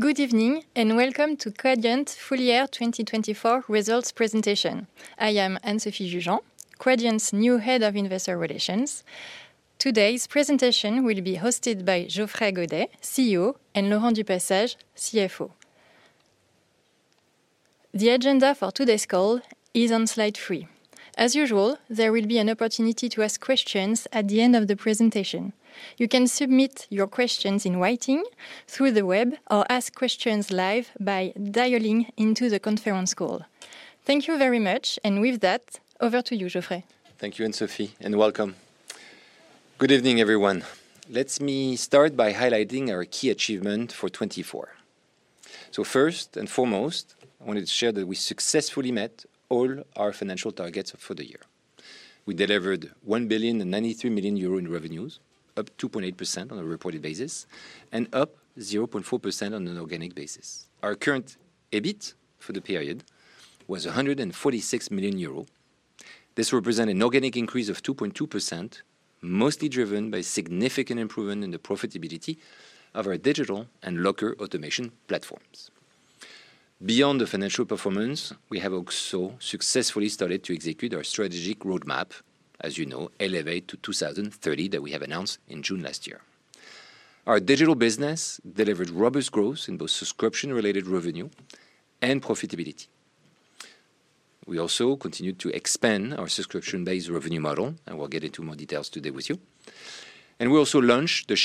Good evening and welcome to the Quadient Full Year 2024 results presentation. I am Anne-Sophie Jugean, Quadient's new Head of Investor Relations. Today's presentation will be hosted by Geoffrey Godet, CEO, and Laurent du Passage, CFO. The agenda for today's call is on slide three. As usual, there will be an opportunity to ask questions at the end of the presentation. You can submit your questions in writing through the web or ask questions live by dialing into the conference call. Thank you very much, and with that, over to you, Geoffrey. Thank you, Anne-Sophie, and welcome. Good evening, everyone. Let me start by highlighting our key achievement for 2024. First and foremost, I wanted to share that we successfully met all our financial targets for the year. We delivered 1.93 billion in revenues, up 2.8% on a reported basis and up 0.4% on an organic basis. Our current EBIT for the period was 146 million euro. This represents an organic increase of 2.2%, mostly driven by significant improvement in the profitability of our Digital and Locker automation platforms. Beyond the financial performance, we have also successfully started to execute our strategic roadmap, as you know, Elevate to 2030 that we have announced in June last year. Our Digital business delivered robust growth in both subscription-related revenue and profitability. We also continued to expand our subscription-based revenue model, and we'll get into more details today with you. We also launched our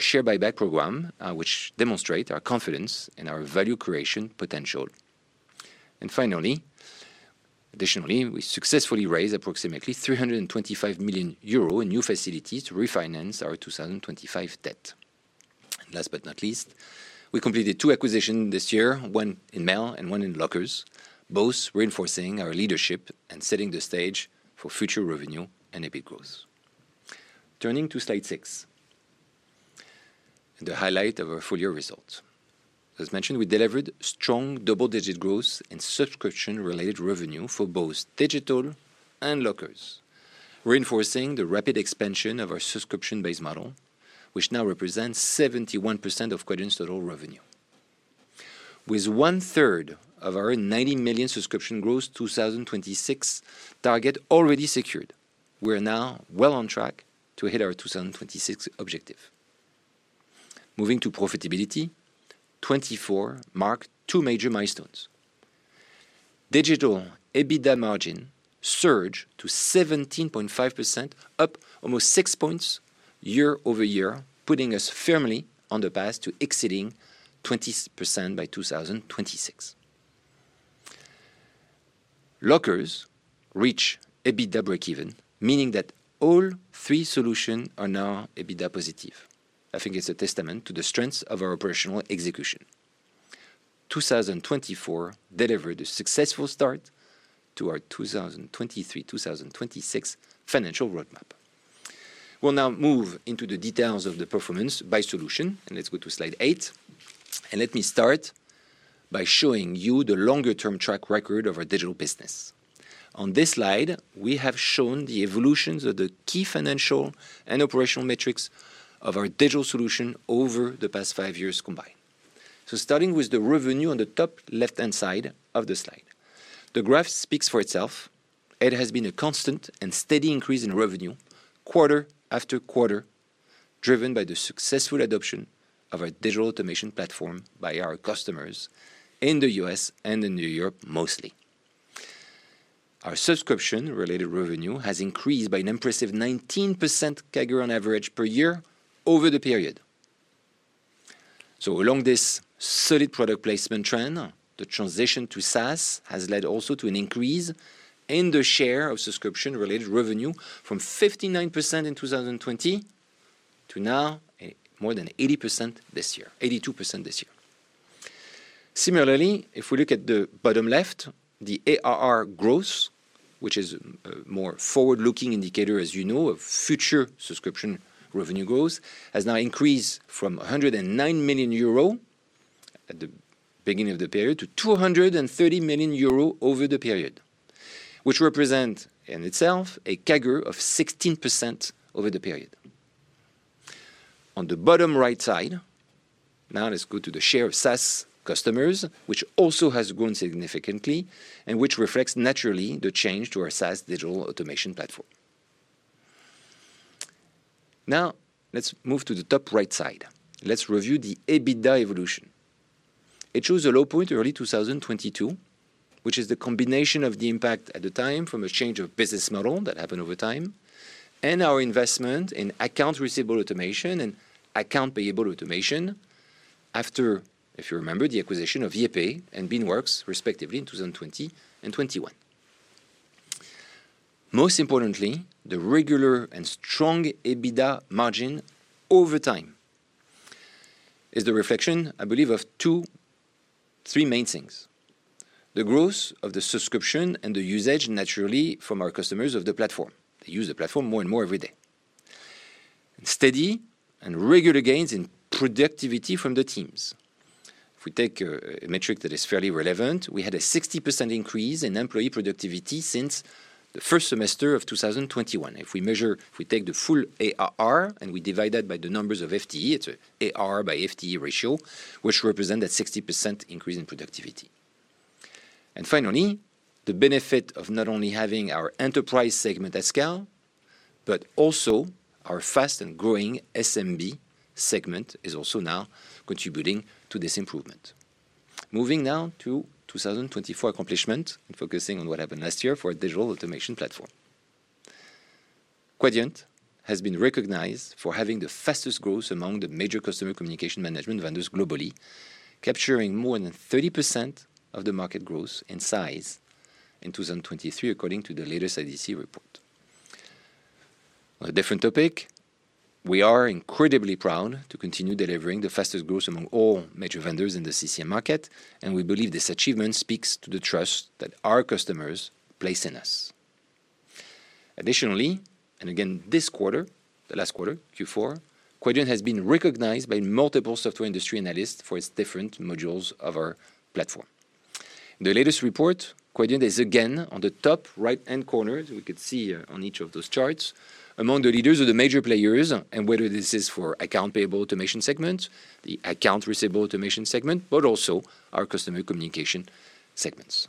share buyback program, which demonstrates our confidence in our value creation potential. Finally, additionally, we successfully raised approximately 325 million euro in new facilities to refinance our 2025 debt. Last but not least, we completed two acquisitions this year, one in mail and one in Lockers, both reinforcing our leadership and setting the stage for future revenue and EBIT growth. Turning to slide six, the highlight of our full-year results. As mentioned, we delivered strong double-digit growth in subscription-related revenue for both Digital and Lockers, reinforcing the rapid expansion of our subscription-based model, which now represents 71% of Quadient's total revenue. With 1/3 of our 90 million subscription growth 2026 target already secured, we are now well on track to hit our 2026 objective. Moving to profitability, 2024 marked two major milestones. Digital EBITDA margin surged to 17.5%, up almost 6 percentage points year-over-year, putting us firmly on the path to exceeding 20% by 2026. Lockers reached EBITDA break-even, meaning that all three solutions are now EBITDA positive. I think it's a testament to the strength of our operational execution. 2024 delivered a successful start to our 2023-2026 financial roadmap. We'll now move into the details of the performance by solution, and let's go to slide eight. Let me start by showing you the longer-term track record of our Digital business. On this slide, we have shown the evolutions of the key financial and operational metrics of our digital solution over the past five years combined. Starting with the revenue on the top left-hand side of the slide, the graph speaks for itself. It has been a constant and steady increase in revenue, quarter after quarter, driven by the successful adoption of our Digital Automation Platform by our customers in the U.S. and in Europe, mostly. Our subscription-related revenue has increased by an impressive 19% CAGR on average per year over the period. Along this solid product placement trend, the transition to SaaS has led also to an increase in the share of subscription-related revenue from 59% in 2020 to now more than 80% this year, 82% this year. Similarly, if we look at the bottom left, the ARR growth, which is a more forward-looking indicator, as you know, of future subscription revenue growth, has now increased from 109 million euro at the beginning of the period to 230 million euro over the period, which represents in itself a CAGR of 16% over the period. On the bottom right side, now let's go to the share of the SaaS customers, which also has grown significantly and which reflects naturally the change to our SaaS Digital Automation Platform. Now let's move to the top right side. Let's review the EBITDA evolution. It shows a low point early 2022, which is the combination of the impact at the time from a change of business model that happened over time and our investment in Account Receivable automation and Account Payable automation after, if you remember, the acquisition of YayPay and Beanworks, respectively, in 2020 and 2021. Most importantly, the regular and strong EBITDA margin over time is the reflection, I believe, of two or three main things: the growth of the subscription and the usage, naturally, from our customers of the platform. They use the platform more and more every day. Steady and regular gains in productivity from the teams. If we take a metric that is fairly relevant, we had a 60% increase in employee productivity since the first semester of 2021. If we take the full ARR and we divide that by the number of FTE, it's an ARR/FTE ratio, which represents that 60% increase in productivity. Finally, the benefit of not only having our enterprise segment at scale, but also our fast and growing SMB segment is also now contributing to this improvement. Moving now to 2024 accomplishment and focusing on what happened last year for our Digital Automation Platform. Quadient has been recognized for having the fastest growth among the major customer communication management vendors globally, capturing more than 30% of the market growth in size in 2023, according to the latest IDC report. On a different topic, we are incredibly proud to continue delivering the fastest growth among all major vendors in the CCM market, and we believe this achievement speaks to the trust that our customers place in us. Additionally, and again this quarter, the last quarter, Q4, Quadient has been recognized by multiple software industry analysts for its different modules of our platform. In the latest report, Quadient is again on the top right-hand corner, as we could see on each of those charts, among the leaders of the major players, and whether this is for account payable automation segment, the account receivable automation segment, but also our customer communication segments.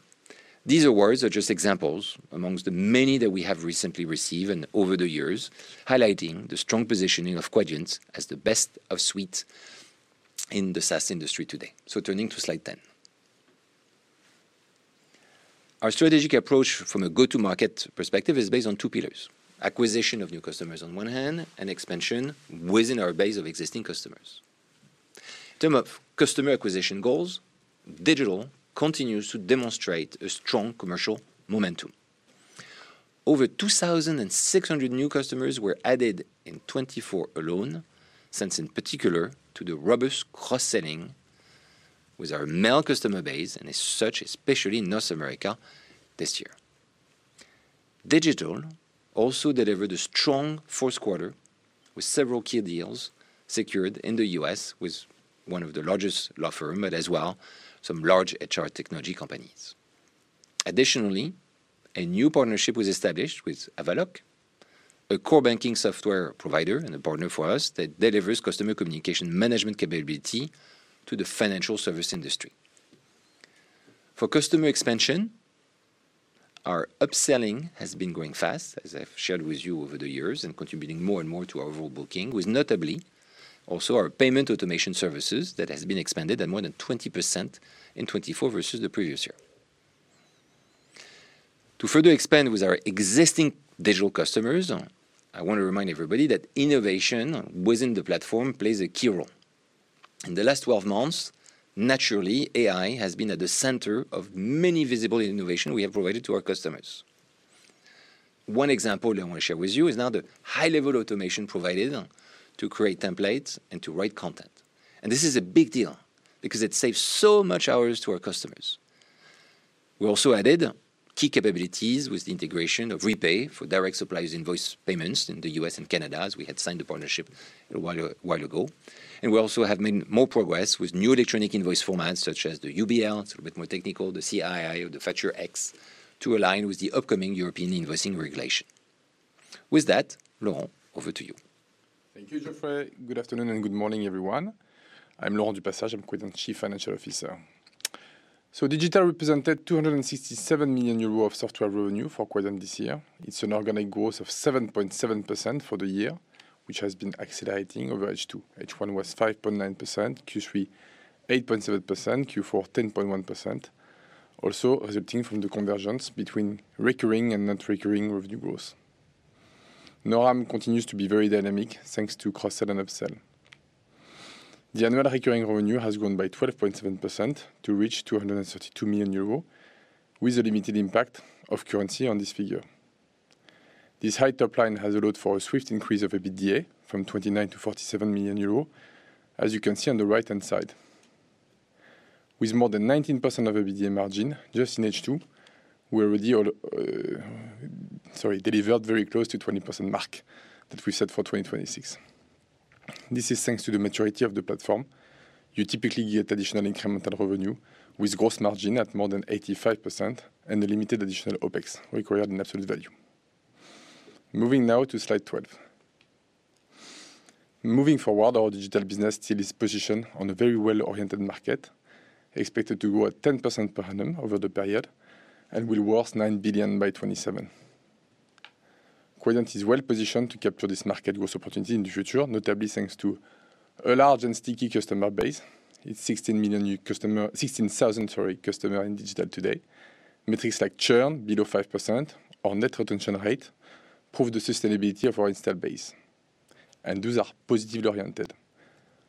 These awards are just examples amongst the many that we have recently received and over the years, highlighting the strong positioning of Quadient as the best of suite in the SaaS industry today. Turning to slide 10. Our strategic approach from a go-to-market perspective is based on two pillars: acquisition of new customers on one hand and expansion within our base of existing customers. In terms of customer acquisition goals, digital continues to demonstrate a strong commercial momentum. Over 2,600 new customers were added in 2024 alone, thanks in particular to the robust cross-selling with our mail customer base and, as such, especially in North America this year. Digital also delivered a strong fourth quarter with several key deals secured in the U.S. with one of the largest law firms, but as well some large HR technology companies. Additionally, a new partnership was established with Avaloq, a core banking software provider and a partner for us that delivers customer communication management capability to the financial service industry. For customer expansion, our upselling has been growing fast, as I've shared with you over the years and contributing more and more to our overall booking, with notably also our payment automation services that have been expanded at more than 20% in 2024 versus the previous year. To further expand with our existing Digital customers, I want to remind everybody that innovation within the platform plays a key role. In the last 12 months, naturally, AI has been at the center of many visible innovations we have provided to our customers. One example I want to share with you is now the high-level automation provided to create templates and to write content. This is a big deal because it saves so much hours to our customers. We also added key capabilities with the integration of REPAY for direct suppliers' invoice payments in the U.S. and Canada, as we had signed the partnership a while ago. We also have made more progress with new electronic invoice formats such as the UBL, it's a little bit more technical, the CII, or the Factur-X, to align with the upcoming European invoicing regulation. With that, Laurent, over to you. Thank you, Geoffrey. Good afternoon and good morning, everyone. I'm Laurent du Passage, I'm Quadient's Chief Financial Officer. The Digital represented 267 million euros of software revenue for Quadient this year. It's an organic growth of 7.7% for the year, which has been accelerating over H2. H1 was 5.9%, Q3 8.7%, Q4 10.1%, also resulting from the convergence between recurring and non-recurring revenue growth. NORAM continues to be very dynamic thanks to cross-sell and upsell. The annual recurring revenue has grown by 12.7% to reach 232 million euros, with a limited impact of currency on this figure. This high top line has allowed for a swift increase of EBITDA from 29 million to 47 million euro, as you can see on the right-hand side. With more than 19% of EBITDA margin just in H2, we already delivered very close to the 20% mark that we set for 2026. This is thanks to the maturity of the platform. You typically get additional incremental revenue with gross margin at more than 85% and the limited additional OpEx required in absolute value. Moving now to slide 12. Moving forward, our Digital business still is positioned on a very well-oriented market, expected to grow at 10% per annum over the period and will worth 9 billion by 2027. Quadient is well-positioned to capture this market growth opportunity in the future, notably thanks to a large and sticky customer base. It's 16,000 customers in Digital today. Metrics like churn below 5% or net retention rate prove the sustainability of our installed base, and those are positively oriented.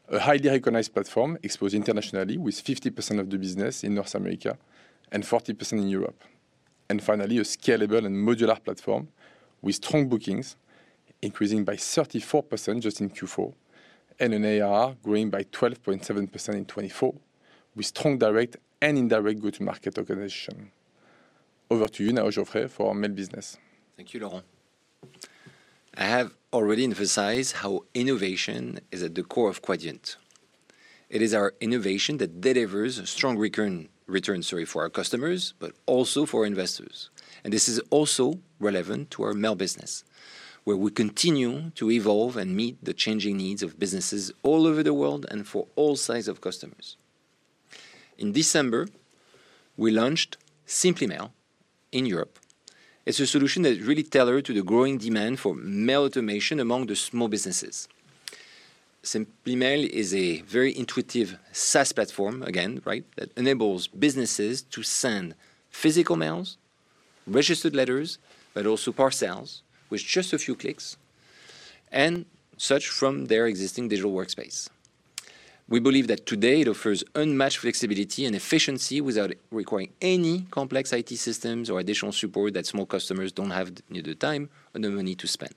A highly recognized platform exposed internationally with 50% of the business in North America and 40% in Europe. Finally, a scalable and modular platform with strong bookings increasing by 34% just in Q4 and an ARR growing by 12.7% in 2024 with strong direct and indirect go-to-market organization. Over to you now, Geoffrey, for our mail business. Thank you, Laurent. I have already emphasized how innovation is at the core of Quadient. It is our innovation that delivers a strong return, sorry, for our customers, but also for investors. This is also relevant to our mail business, where we continue to evolve and meet the changing needs of businesses all over the world and for all sizes of customers. In December, we launched SimplyMail in Europe. It's a solution that really tailored to the growing demand for mail automation among the small businesses. The SimplyMail is a very intuitive SaaS platform, again, right, that enables businesses to send physical mails, registered letters, but also parcels with just a few clicks and such from their existing digital workspace. We believe that today it offers unmatched flexibility and efficiency without requiring any complex IT systems or additional support that small customers do not have the time or the money to spend.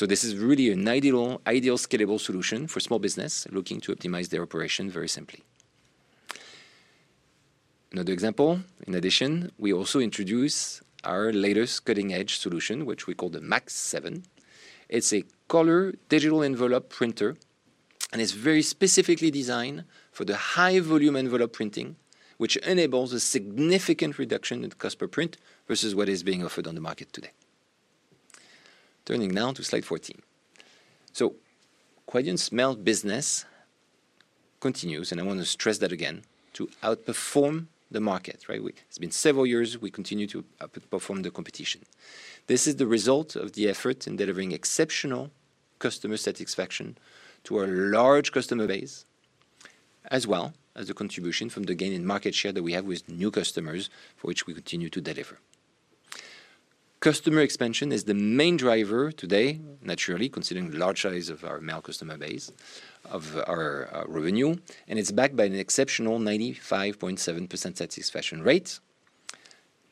This is really an ideal scalable solution for small businesses looking to optimize their operation very simply. Another example, in addition, we also introduce our latest cutting-edge solution, which we call the MACH 7. It is a color digital envelope printer and is very specifically designed for the high-volume envelope printing, which enables a significant reduction in the cost per print versus what is being offered on the market today. Turning now to slide 14. Quadient's mail business continues, and I want to stress that again, to outperform the market, right? It has been several years we continue to outperform the competition. This is the result of the effort in delivering exceptional customer satisfaction to our large customer base, as well as the contribution from the gain in market share that we have with new customers, for which we continue to deliver. Customer expansion is the main driver today, naturally, considering the large size of our mail customer base of our revenue, and it is backed by an exceptional 95.7% satisfaction rate.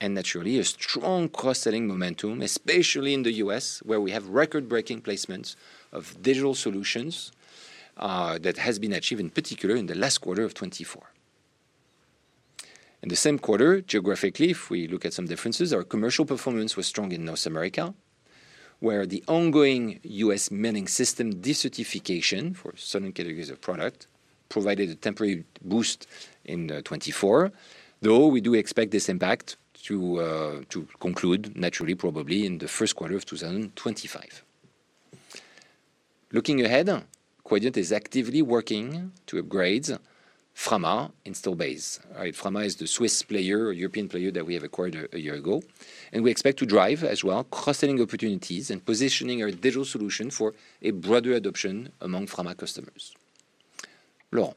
Naturally, a strong cross-selling momentum, especially in the U.S., where we have record-breaking placements of digital solutions that have been achieved in particular in the last quarter of 2024. In the same quarter, geographically, if we look at some differences, our commercial performance was strong in North America, where the ongoing U.S. mailing system decertification for certain categories of product provided a temporary boost in 2024, though we do expect this impact to conclude, naturally, probably in the first quarter of 2025. Looking ahead, Quadient is actively working to upgrade Frama installed base. Frama is the Swiss player, European player that we have acquired a year ago, and we expect to drive as well cross-selling opportunities and positioning our digital solution for a broader adoption among Frama customers. Laurent.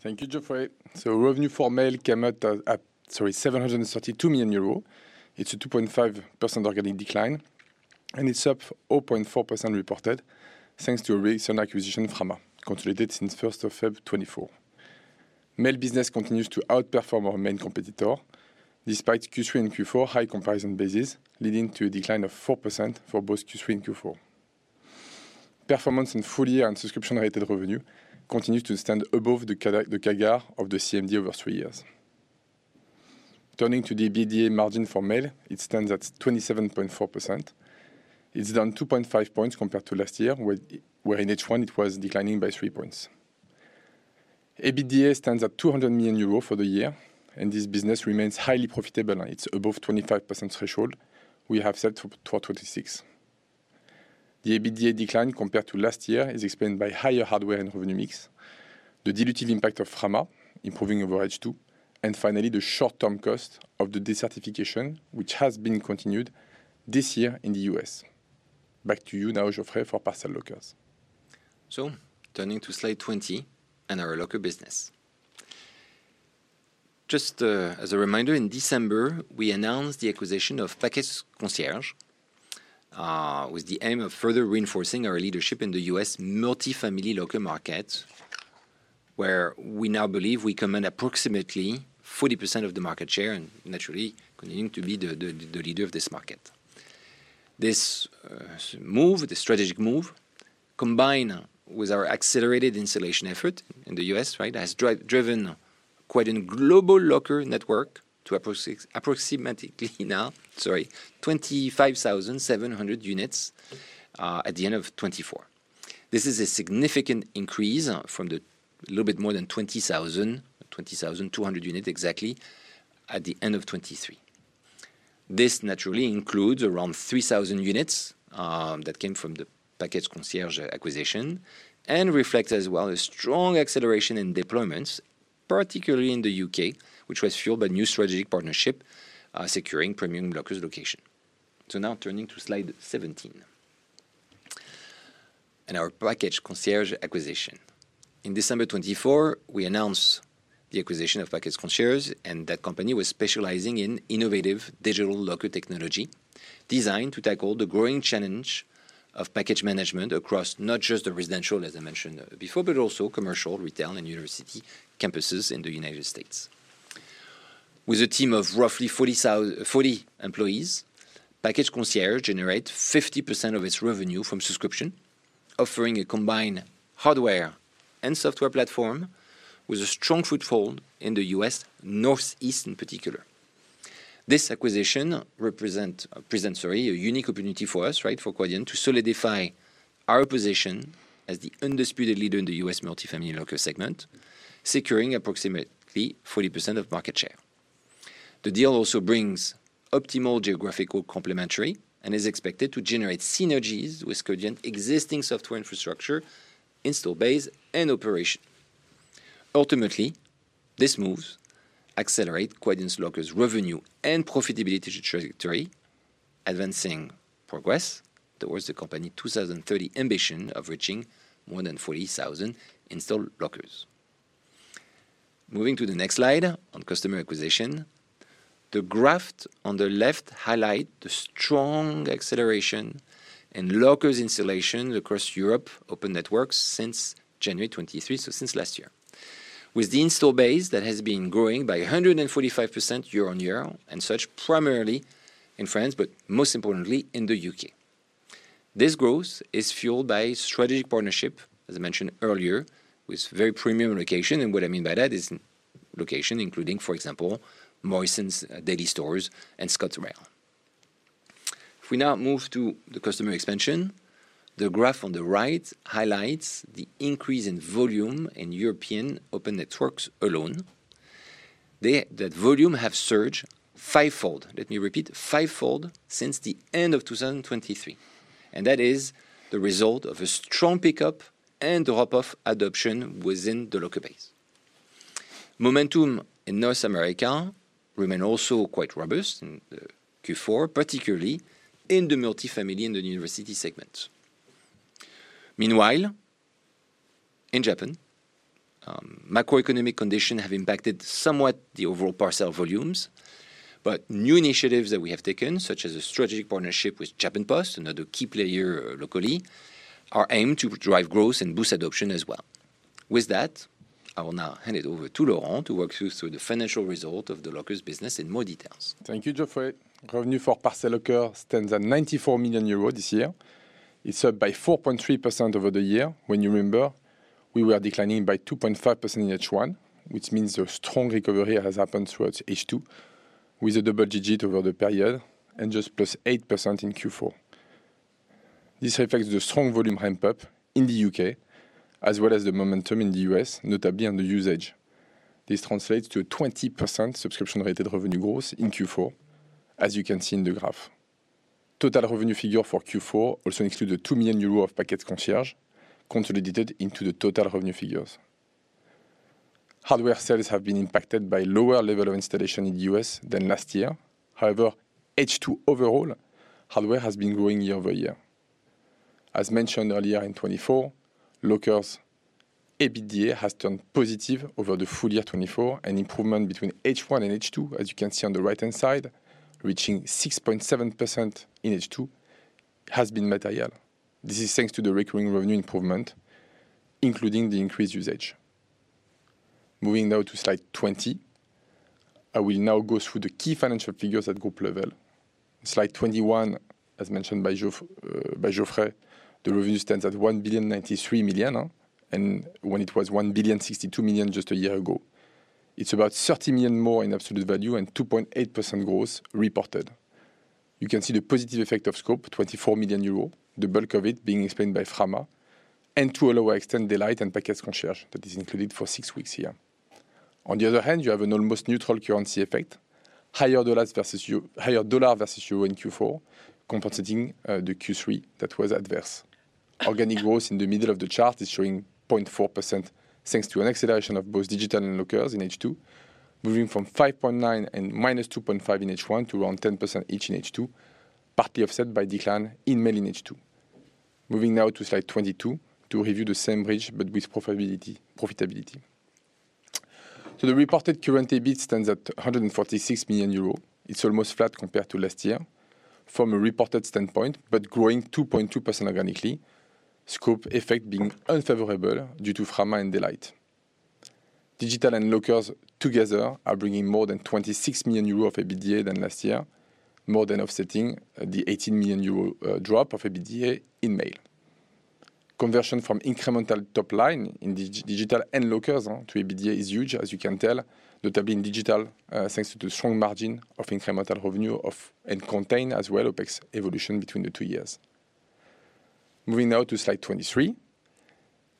Thank you, Geoffrey. Revenue for mail came out at, sorry, 732 million euros. It is a 2.5% organic decline, and it is up 0.4% reported thanks to a recent acquisition, Frama, consolidated since 1st of February 2024. Mail business continues to outperform our main competitor despite Q3 and Q4 high comparison bases, leading to a decline of 4% for both Q3 and Q4. Performance in full year and subscription-related revenue continues to stand above the CAGR of the CMD over three years. Turning to the EBITDA margin for mail, it stands at 27.4%. It is down 2.5 percentage points compared to last year, where in H1 it was declining by 3 percentage points. EBITDA stands at 200 million euros for the year, and this business remains highly profitable at its above 25% threshold we have set for 2026. The EBITDA decline compared to last year is explained by higher hardware and revenue mix, the dilutive impact of Frama improving over H2, and finally, the short-term cost of the decertification, which has been continued this year in the U.S. Back to you now, Geoffrey, for Parcel Lockers. Turning to slide 20 and our locker business. Just as a reminder, in December, we announced the acquisition of Package Concierge with the aim of further reinforcing our leadership in the U.S. multi-family locker market, where we now believe we command approximately 40% of the market share and naturally continue to be the leader of this market. This strategic move, combined with our accelerated installation effort in the U.S., has driven quite a global locker network to approximately now, sorry, 25,700 units at the end of 2024. This is a significant increase from a little bit more than 20,000,or 20,200 units exactly at the end of 2023. This naturally includes around 3,000 units that came from the Package Concierge acquisition and reflects as well a strong acceleration in deployments, particularly in the U.K., which was fueled by a new strategic partnership securing premium Lockers location. Now turning to slide 17 and our Package Concierge acquisition. In December 2024, we announced the acquisition of Package Concierge, and that company was specializing in innovative Digital Locker technology designed to tackle the growing challenge of package management across not just the residential, as I mentioned before, but also commercial, retail, and university campuses in the United States. With a team of roughly 40 employees, Package Concierge generates 50% of its revenue from subscription, offering a combined hardware and software platform with a strong foothold in the U.S., Northeast in particular. This acquisition represents a unique opportunity for us, right, for Quadient to solidify our position as the undisputed leader in the U.S. multi-family locker segment, securing approximately 40% of market share. The deal also brings optimal geographical complementary and is expected to generate synergies with Quadient's existing software infrastructure, installed base, and operation. Ultimately, this move accelerates Quadient's Lockers revenue and profitability trajectory, advancing progress towards the company's 2030 ambition of reaching more than 40,000 installed Lockers. Moving to the next slide on customer acquisition, the graph on the left highlights the strong acceleration in Lockers installation across Europe open networks since January 2023, so since last year, with the installed base that has been growing by 145% year on year, and such primarily in France, but most importantly in the U.K. This growth is fueled by strategic partnership, as I mentioned earlier, with very premium location, and what I mean by that is location including, for example, Morrisons Daily Stores and ScotRail. If we now move to the customer expansion, the graph on the right highlights the increase in volume in European open networks alone. That volume has surged fivefold, let me repeat, fivefold since the end of 2023, and that is the result of a strong pickup and drop-off adoption within the locker base. Momentum in North America remains also quite robust in Q4, particularly in the multi-family and the university segments. Meanwhile, in Japan, macroeconomic conditions have impacted somewhat the overall parcel volumes, but new initiatives that we have taken, such as a strategic partnership with the Japan Post, another key player locally, are aimed to drive growth and boost adoption as well. With that, I will now hand it over to Laurent to walk you through the financial result of the Lockers business in more details. Thank you, Geoffrey. Revenue for Parcel Lockers stands at 94 million euros this year. It's up by 4.3% over the year. When you remember, we were declining by 2.5% in H1, which means a strong recovery has happened towards H2 with a double digit over the period and just plus 8% in Q4. This reflects the strong volume ramp-up in the U.K., as well as the momentum in the U.S., notably on the usage. This translates to a 20% subscription-related revenue growth in Q4, as you can see in the graph. Total revenue figure for Q4 also includes 2 million euros of Package Concierge consolidated into the total revenue figures. Hardware sales have been impacted by a lower level of installation in the U.S. than last year. However, H2 overall hardware has been growing year-over-year. As mentioned earlier in 2024, Lockers' EBITDA has turned positive over the full year 2024, and improvement between H1 and H2, as you can see on the right-hand side, reaching 6.7% in H2, has been material. This is thanks to the recurring revenue improvement, including the increased usage. Moving now to slide 20, I will now go through the key financial figures at group level. Slide 21, as mentioned by Geoffrey, the revenue stands at 1,093 million, and when it was 1,062 million just a year ago, it is about 30 million more in absolute value and 2.8% growth reported. You can see the positive effect of scope, 24 million euros, the bulk of it being explained by Frama, and to a lower extent, Daylight and Package Concierge that is included for six weeks here. On the other hand, you have an almost neutral currency effect, higher dollar versus euro in Q4, compensating the Q3 that was adverse. Organic growth in the middle of the chart is showing 0.4% thanks to an acceleration of both Digital and Lockers in H2, moving from 5.9% and -2.5% in H1 to around 10% each in H2, partly offset by decline in mail in H2. Moving now to slide 22 to review the same bridge, but with profitability. The reported current EBIT stands at 146 million euro. It's almost flat compared to last year from a reported standpoint, but growing 2.2% organically, scope effect being unfavorable due to Frama and Daylight. Digital and Lockers together are bringing more than 26 million euros of EBITDA than last year, more than offsetting the 18 million euro drop of EBITDA in mail. Conversion from incremental top line in Digital and Lockers to EBITDA is huge, as you can tell, notably in Digital thanks to the strong margin of incremental revenue and contain as well OpEx evolution between the two years. Moving now to slide 23,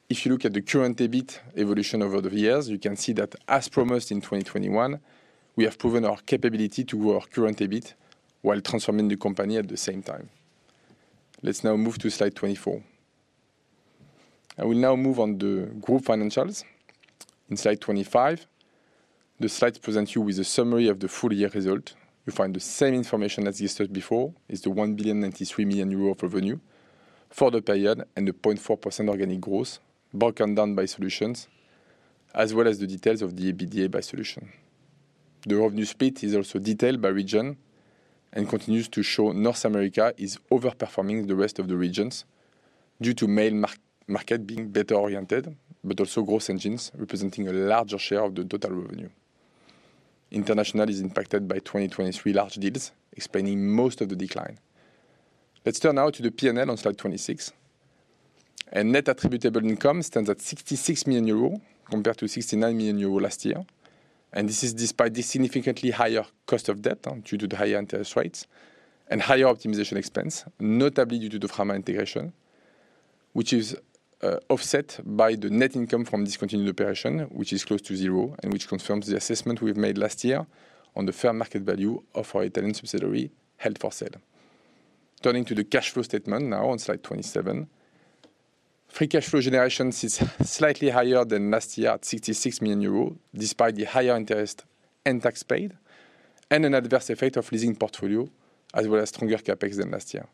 if you look at the current EBIT evolution over the years, you can see that as promised in 2021, we have proven our capability to grow our current EBIT while transforming the company at the same time. Let's now move to slide 24. I will now move on the group financials. In slide 25, the slides present you with a summary of the full year result. You find the same information as just before is the 1,093 million euro of revenue for the period and the 0.4% organic growth broken down by solutions, as well as the details of the EBITDA by solution. The revenue split is also detailed by region and continues to show North America is overperforming the rest of the regions due to mail market being better oriented, but also growth engines representing a larger share of the total revenue. International is impacted by 2023 large deals, explaining most of the decline. Let's turn now to the P&L on slide 26. Net attributable income stands at 66 million euros compared to 69 million euros last year, and this is despite the significantly higher cost of debt due to the higher interest rates and higher optimization expense, notably due to the Frama integration, which is offset by the net income from discontinued operation, which is close to zero and which confirms the assessment we've made last year on the fair market value of our Italian subsidiary held for sale. Turning to the cash flow statement now on slide 27, free cash flow generation is slightly higher than last year at 66 million euros despite the higher interest and tax paid and an adverse effect of leasing portfolio as well as stronger CapEx than last year.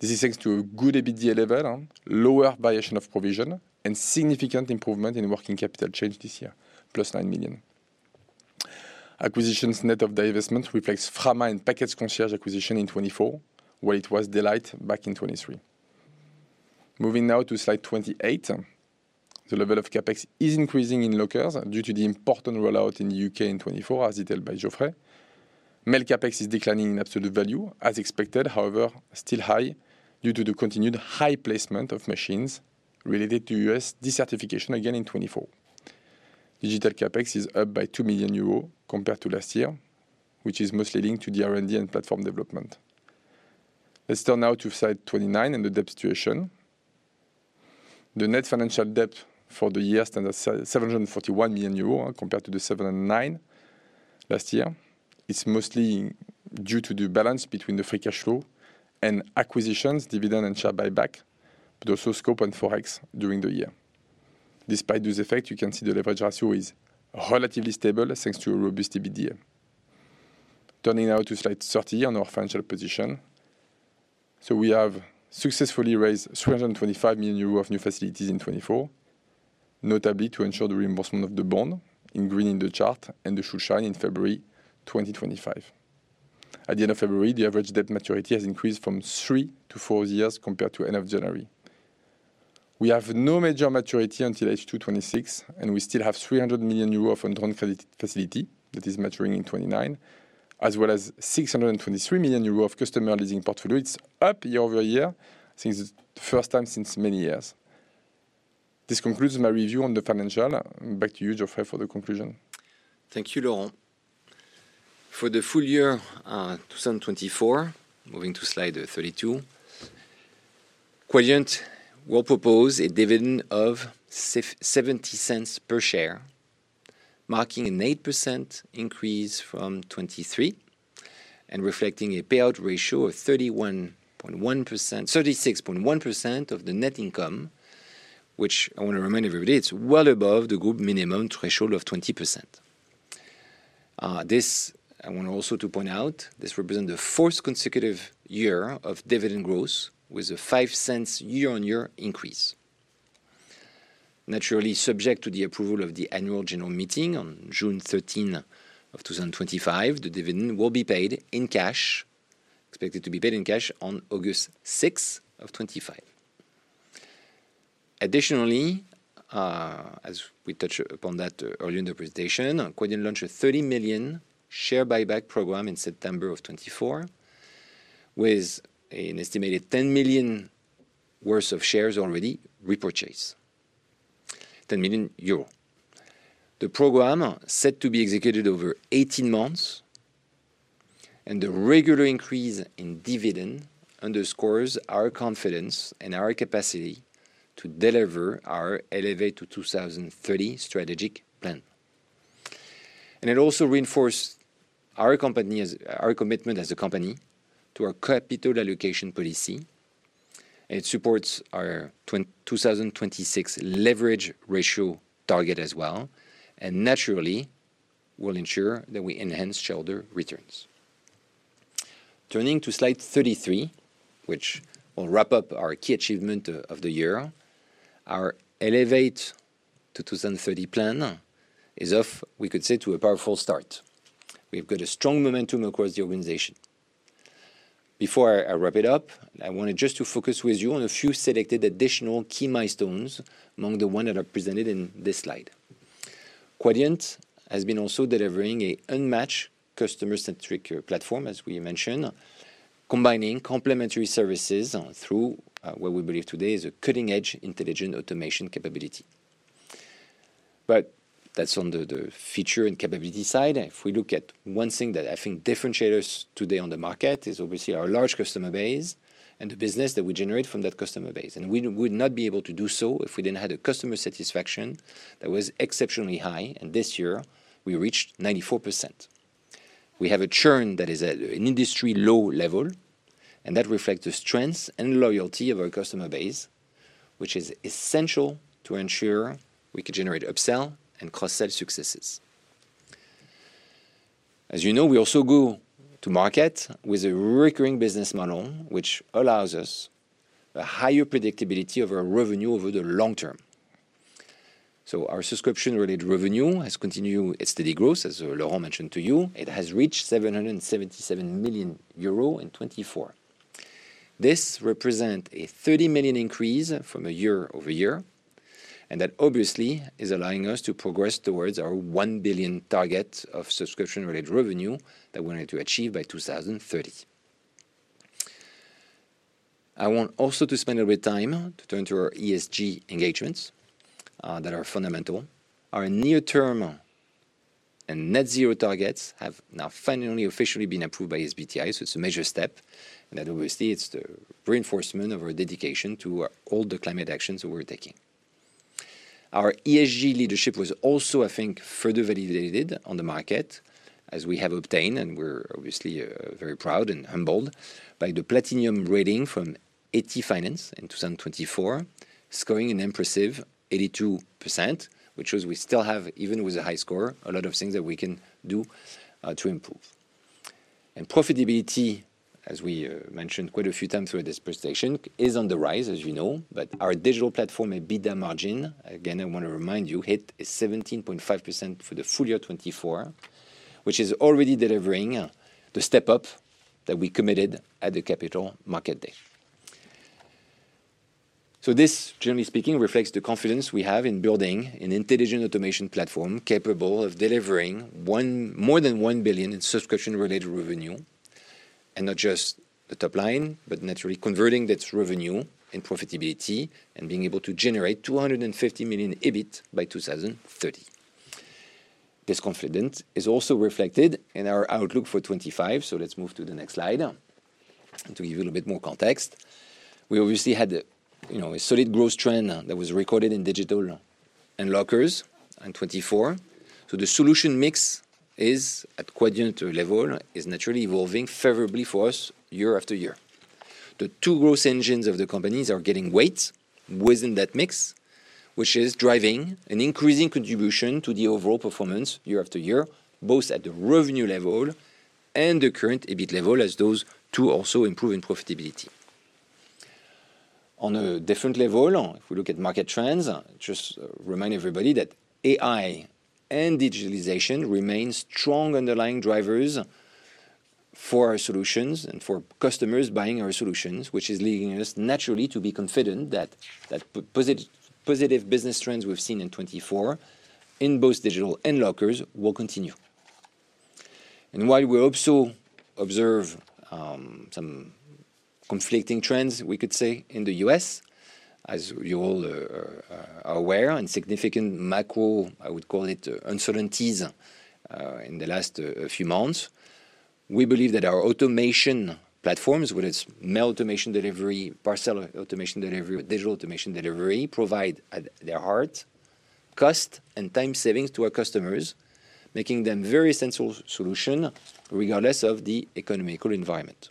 This is thanks to a good EBITDA level, lower variation of provision, and significant improvement in working capital change this year, plus 9 million. Acquisition's net of divestment reflects Frama and Package Concierge acquisition in 2024, while it was Daylight back in 2023. Moving now to slide 28, the level of CapEx is increasing in Lockers due to the important rollout in the U.K. in 2024, as detailed by Geoffrey. Mail CapEx is declining in absolute value, as expected, however, still high due to the continued high placement of machines related to U.S. decertification again in 2024. Digital CapEx is up by 2 million euros compared to last year, which is mostly linked to the R&D and platform development. Let's turn now to slide 29 and the debt situation. The net financial debt for the year stands at 741 million euros compared to the 709 million last year. It's mostly due to the balance between the free cash flow and acquisitions, dividend, and share buyback, but also scope and forex during the year. Despite those effects, you can see the leverage ratio is relatively stable thanks to a robust EBITDA. Turning now to slide 30 on our financial position. We have successfully raised 325 million euros of new facilities in 2024, notably to ensure the reimbursement of the bond in [green in the chart] and the Schuldschein in February 2025. At the end of February, the average debt maturity has increased from three to four years compared to end of January. We have no major maturity until H2 2026, and we still have 300 million euros of un-drawn credit facility that is maturing in 2029, as well as 623 million euros of customer leasing portfolio. It's up year over year since the first time since many years. This concludes my review on the financial. Back to you, Geoffrey, for the conclusion. Thank you, Laurent. For the full year 2024, moving to slide 32, Quadient will propose a dividend of 0.70 per share, marking an 8% increase from 2023 and reflecting a payout ratio of 36.1% of the net income, which I want to remind everybody is well above the group minimum threshold of 20%. This, I want also to point out, represents the fourth consecutive year of dividend growth with a 0.05 year-on-year increase. Naturally, subject to the approval of the annual general meeting on June 13 2025, the dividend will be paid in cash, expected to be paid in cash on August 6 2025. Additionally, as we touched upon that earlier in the presentation, Quadient launched a 30 million share buyback program in September of 2024 with an estimated 10 million worth of shares already repurchased, 10 million euro. The program is set to be executed over 18 months, and the regular increase in dividend underscores our confidence and our capacity to deliver our Elevate to 2030 strategic plan. It also reinforces our commitment as a company to our capital allocation policy. It supports our 2026 leverage ratio target as well, and naturally, will ensure that we enhance shareholder returns. Turning to slide 33, which will wrap up our key achievement of the year, our Elevate to 2030 plan is off, we could say, to a powerful start. We've got a strong momentum across the organization. Before I wrap it up, I wanted just to focus with you on a few selected additional key milestones among the ones that are presented in this slide. Quadient has been also delivering an unmatched customer-centric platform, as we mentioned, combining complementary services through what we believe today is a cutting-edge intelligent automation capability. That is on the feature and capability side. If we look at one thing that I think differentiates us today on the market, it is obviously our large customer base and the business that we generate from that customer base. We would not be able to do so if we did not have the customer satisfaction that was exceptionally high, and this year we reached 94%. We have a churn that is at an industry low level, and that reflects the strength and loyalty of our customer base, which is essential to ensure we could generate upsell and cross-sell successes. As you know, we also go to market with a recurring business model, which allows us a higher predictability of our revenue over the long term. Our subscription-related revenue has continued its steady growth, as Laurent mentioned to you. It has reached 777 million euro in 2024. This represents a 30 million increase from a year-over-year, and that obviously is allowing us to progress towards our 1 billion target of subscription-related revenue that we wanted to achieve by 2030. I want also to spend a little bit of time to turn to our ESG engagements that are fundamental. Our near-term and net-zero targets have now finally officially been approved by SBTi, so it is a major step, and that obviously is the reinforcement of our dedication to all the climate actions that we're taking. Our ESG leadership was also, I think, further validated on the market, as we have obtained, and we're obviously very proud and humbled by, the Platinum rating from EcoVadis in 2024, scoring an impressive 82%, which shows we still have, even with a high score, a lot of things that we can do to improve. Profitability, as we mentioned quite a few times throughout this presentation, is on the rise, as you know, but our Digital platform EBITDA margin, again, I want to remind you, hit 17.5% for the full year 2024, which is already delivering the step-up that we committed at the Capital Markets Day. This, generally speaking, reflects the confidence we have in building an intelligent automation platform capable of delivering more than 1 billion in subscription-related revenue, and not just the top line, but naturally converting that revenue in profitability and being able to generate 250 million EBIT by 2030. This confidence is also reflected in our outlook for 2025, so let's move to the next slide. To give you a little bit more context, we obviously had a solid growth trend that was recorded in Digital and Lockers in 2024. The solution mix at Quadient level is naturally evolving favorably for us year after year. The two growth engines of the company are getting weight within that mix, which is driving an increasing contribution to the overall performance year after year, both at the revenue level and the current EBIT level, as those two also improve in profitability. On a different level, if we look at market trends, just remind everybody that AI and digitalization remain strong underlying drivers for our solutions and for customers buying our solutions, which is leading us naturally to be confident that the positive business trends we've seen in 2024 in both Digital and Lockers will continue. While we also observe some conflicting trends, we could say, in the U.S., as you all are aware, and significant macro, I would call it uncertainties in the last few months, we believe that our automation platforms, whether it's mail automation delivery, parcel automation delivery, or digital automation delivery, provide at their heart cost and time savings to our customers, making them a very sensible solution regardless of the economical environment.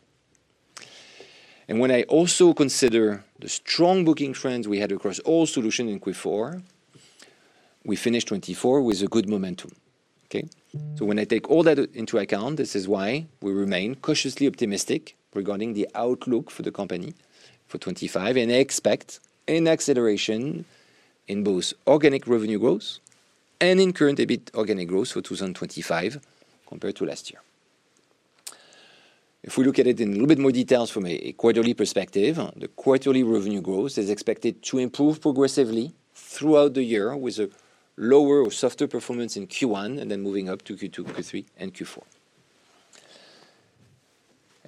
When I also consider the strong booking trends we had across all solutions in Q4, we finished 2024 with a good momentum. Okay. When I take all that into account, this is why we remain cautiously optimistic regarding the outlook for the company for 2025, and I expect an acceleration in both organic revenue growth and in current EBIT organic growth for 2025 compared to last year. If we look at it in a little bit more detail from a quarterly perspective, the quarterly revenue growth is expected to improve progressively throughout the year with a lower or softer performance in Q1 and then moving up to Q2, Q3, and Q4.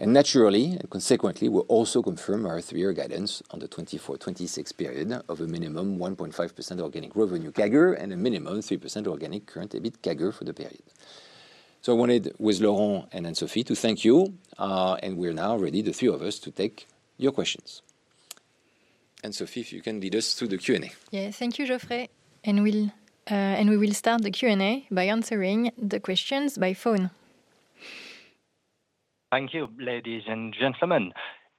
Naturally, and consequently, we'll also confirm our three-year guidance on the 2024-2026 period of a minimum 1.5% organic revenue CAGR and a minimum 3% organic current EBIT CAGR for the period. I wanted with Laurent and Anne-Sophie to thank you, and we're now ready, the three of us, to take your questions. Anne-Sophie, if you can lead us through the Q&A. Yes, thank you, Geoffrey. We will start the Q&A by answering the questions by phone. Thank you, ladies and gentlemen.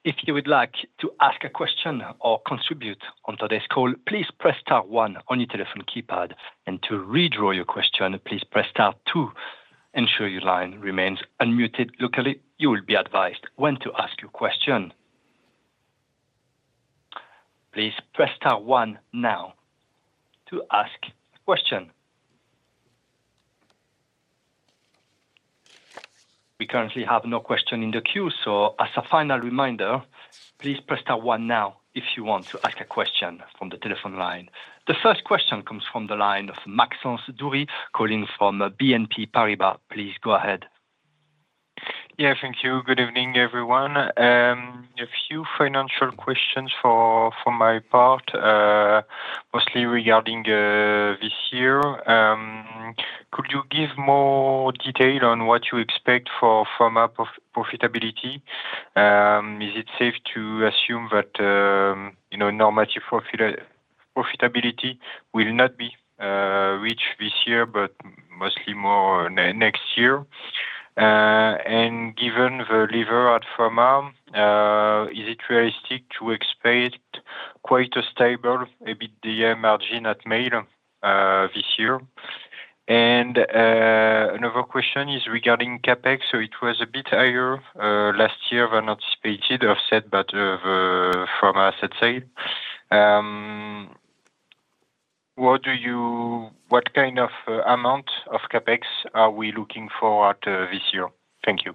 If you would like to ask a question or contribute on today's call, please press star one on your telephone keypad, and to withdraw your question, please press star two. Ensure your line remains unmuted locally. You will be advised when to ask your question. Please press star one now to ask a question. We currently have no question in the queue, so as a final reminder, please press star one now if you want to ask a question from the telephone line. The first question comes from the line of Maxence Dhoury calling from BNP Paribas. Please go ahead. Yeah, thank you. Good evening, everyone. A few financial questions for my part, mostly regarding this year. Could you give more detail on what you expect for Frama profitability? Is it safe to assume that normative profitability will not be reached this year, but mostly more next year? Given the lever at Frama, is it realistic to expect quite a stable EBITDA margin at mail this year? Another question is regarding the CapEx. It was a bit higher last year than anticipated, offset by the Frama asset sale. What kind of amount of CapEx are we looking for this year? Thank you.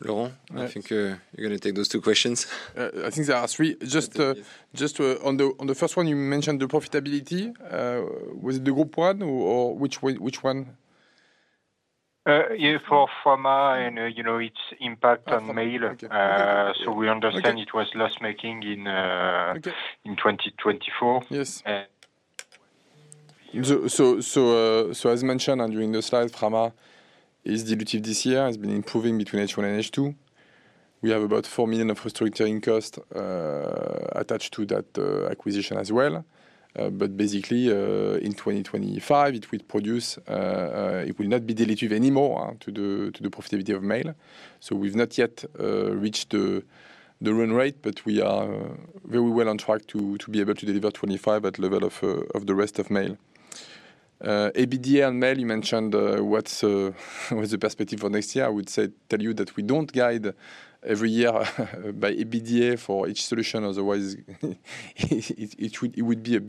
Laurent, I think you're going to take those two questions. I think there are three. Just on the first one, you mentioned the profitability. Was it the group one or which one? Yeah, for Frama and its impact on mail. We understand it was loss-making in 2024. Yes. As mentioned during the slide, Frama is dilutive this year. It has been improving between H1 and H2. We have about 4 million of restructuring cost attached to that acquisition as well. In 2025, it will not be dilutive anymore to the profitability of mail. We have not yet reached the run rate, but we are very well on track to be able to deliver 2025 at the level of the rest of mail. EBITDA and mail, you mentioned what is the perspective for next year. I would tell you that we do not guide every year by EBITDA for each solution. Otherwise, it would be a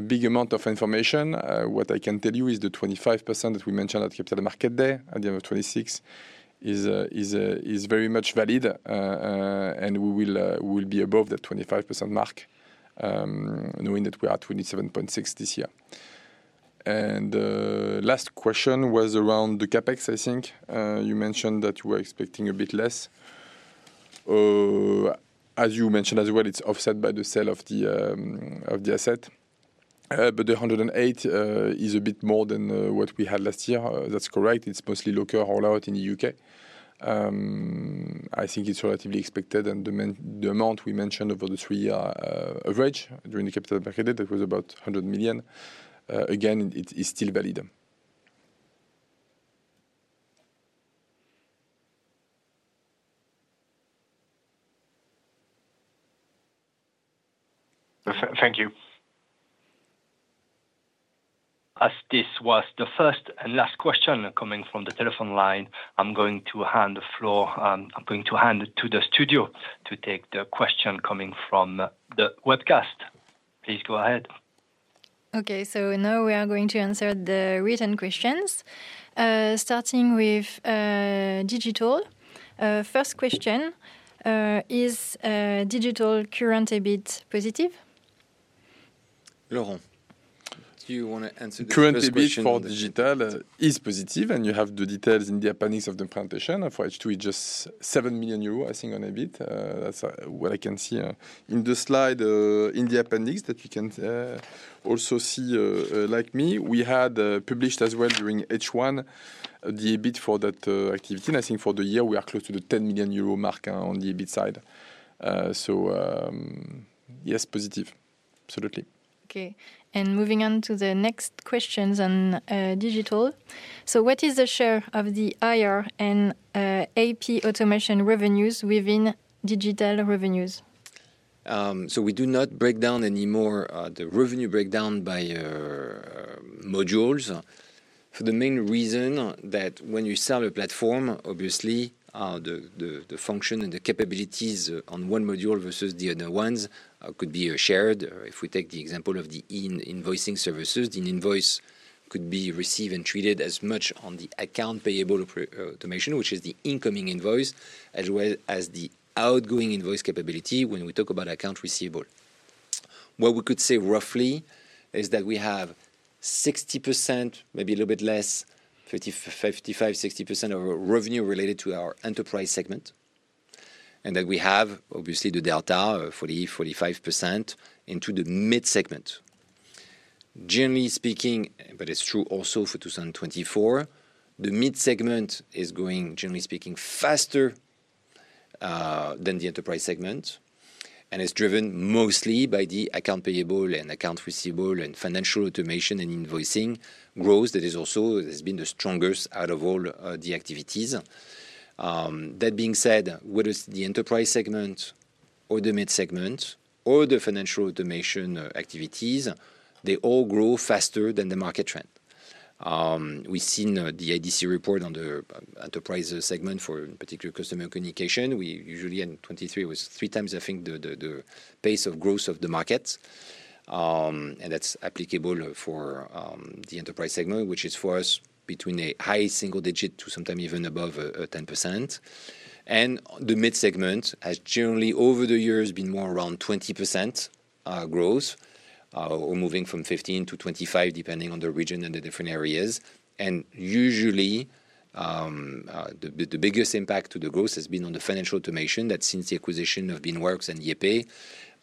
big amount of information. What I can tell you is the 25% that we mentioned at the Capital Markets Day at the end of 2026 is very much valid, and we will be above that 25% mark, knowing that we are at 27.6% this year. The last question was around the CapEx. I think you mentioned that you were expecting a bit less. As you mentioned as well, it is offset by the sale of the asset. The 108 million is a bit more than what we had last year. That is correct. It is mostly local rollout in the U.K. I think it is relatively expected. The amount we mentioned over the three-year average during the Capital Markets Day, that was about 100 million. Again, it is still valid. Thank you. As this was the first and last question coming from the telephone line, I'm going to hand the floor to the studio to take the question coming from the webcast. Please go ahead. Okay, so now we are going to answer the written questions, starting with Digital. First question: Is Digital current EBIT positive? Laurent, do you want to answer this question? Current EBIT for Digital is positive, and you have the details in the appendix of the implementation for H2. It's just 7 million euros, I think, on EBIT. That's what I can see in the slide in the appendix that you can also see like me. We had published as well during H1 the EBIT for that activity. I think for the year, we are close to the 10 million euro mark on the EBIT side. Yes, positive. Absolutely. Okay. Moving on to the next questions on Digital. What is the share of the AR and AP automation revenues within Digital revenues? We do not break down anymore the revenue breakdown by modules. For the main reason that when you sell a platform, obviously, the function and the capabilities on one module versus the other ones could be shared. If we take the example of the invoicing services, the invoice could be received and treated as much on the account payable automation, which is the incoming invoice, as well as the outgoing invoice capability when we talk about account receivable. What we could say roughly is that we have 60%, maybe a little bit less, 55%-60% of our revenue related to our enterprise segment, and that we have, obviously, the delta, 40%-45% into the mid-segment. Generally speaking, but it's true also for 2024, the mid-segment is going, generally speaking, faster than the enterprise segment, and it's driven mostly by the account payable and account receivable and financial automation and invoicing growth that has also been the strongest out of all the activities. That being said, whether it's the enterprise segment or the mid-segment or the financial automation activities, they all grow faster than the market trend. We've seen the IDC report on the enterprise segment for particular customer communication. We usually in 2023 was 3x, I think, the pace of growth of the market. That's applicable for the enterprise segment, which is for us between a high single digit to sometimes even above 10%. The mid-segment has generally, over the years, been more around 20% growth, moving from 15%-25% depending on the region and the different areas. Usually, the biggest impact to the growth has been on the financial automation that since the acquisition of the Beanworks and YayPay,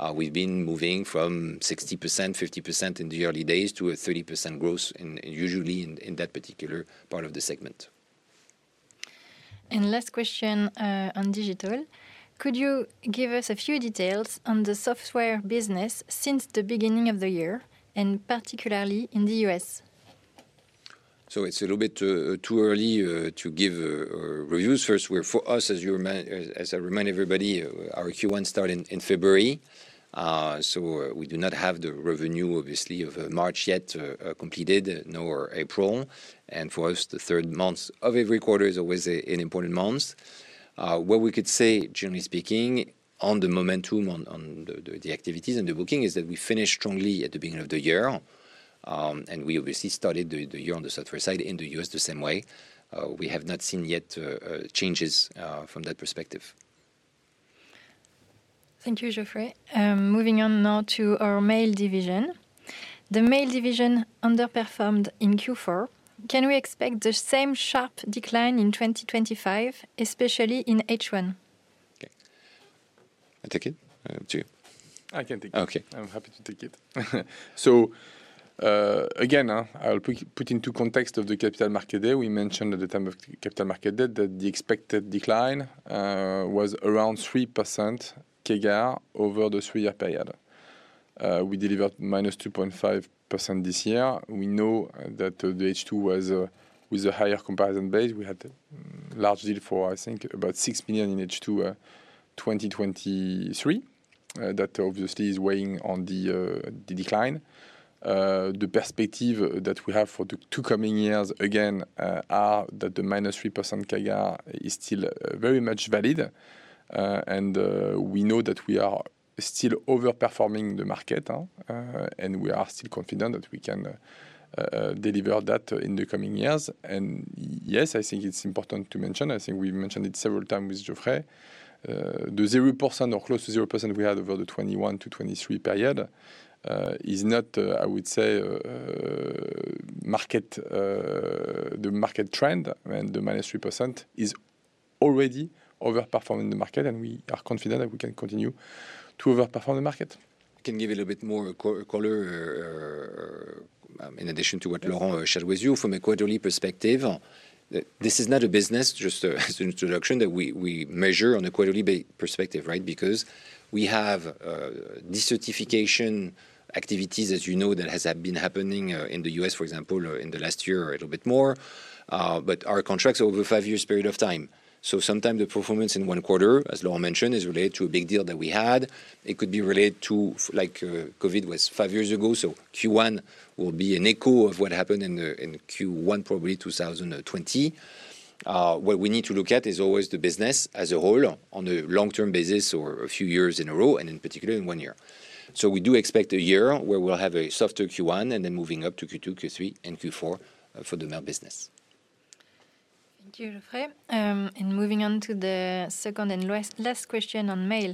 we've been moving from 60%, 50% in the early days to a 30% growth, usually in that particular part of the segment. Could you give us a few details on the software business since the beginning of the year, and particularly in the U.S.? It is a little bit too early to give reviews. First, for us, as I remind everybody, our Q1 started in February. We do not have the revenue, obviously, of March yet completed, nor April. For us, the third month of every quarter is always an important month. What we could say, generally speaking, on the momentum, on the activities and the booking, is that we finished strongly at the beginning of the year. We obviously started the year on the software side in the U.S. the same way. We have not seen yet changes from that perspective. Thank you, Geoffrey. Moving on now to our mail division. The mail division underperformed in Q4. Can we expect the same sharp decline in 2025, especially in H1? I take it? I can take it. Okay. I'm happy to take it. Again, I'll put into context of the Capital Markets Day. We mentioned at the time of Capital Markets Day that the expected decline was around 3% CAGR over the three-year period. We delivered -2.5% this year. We know that the H2 was with a higher comparison base. We had a large deal for, I think, about 6 million in H2 2023. That obviously is weighing on the decline. The perspective that we have for the two coming years, again, is that the -3% CAGR is still very much valid. We know that we are still overperforming the market, and we are still confident that we can deliver that in the coming years. Yes, I think it's important to mention. I think we mentioned it several times with Geoffrey. The 0% or close to 0% we had over the 2021 to 2023 period is not, I would say, the market trend, and the -3% is already overperforming the market, and we are confident that we can continue to overperform the market. I can give a little bit more color in addition to what Laurent shared with you from a quarterly perspective. This is not a business, just as an introduction, that we measure on a quarterly perspective, right? Because we have decertification activities, as you know, that have been happening in the U.S., for example, in the last year a little bit more. Our contracts are over a five-year period of time. Sometimes the performance in one quarter, as Laurent mentioned, is related to a big deal that we had. It could be related to like COVID was five years ago. Q1 will be an echo of what happened in Q1, probably 2020. What we need to look at is always the business as a whole on a long-term basis or a few years in a row, and in particular in one year. We do expect a year where we'll have a softer Q1 and then moving up to Q2, Q3, and Q4 for the mail business. Thank you, Geoffrey. Moving on to the second and last question on mail.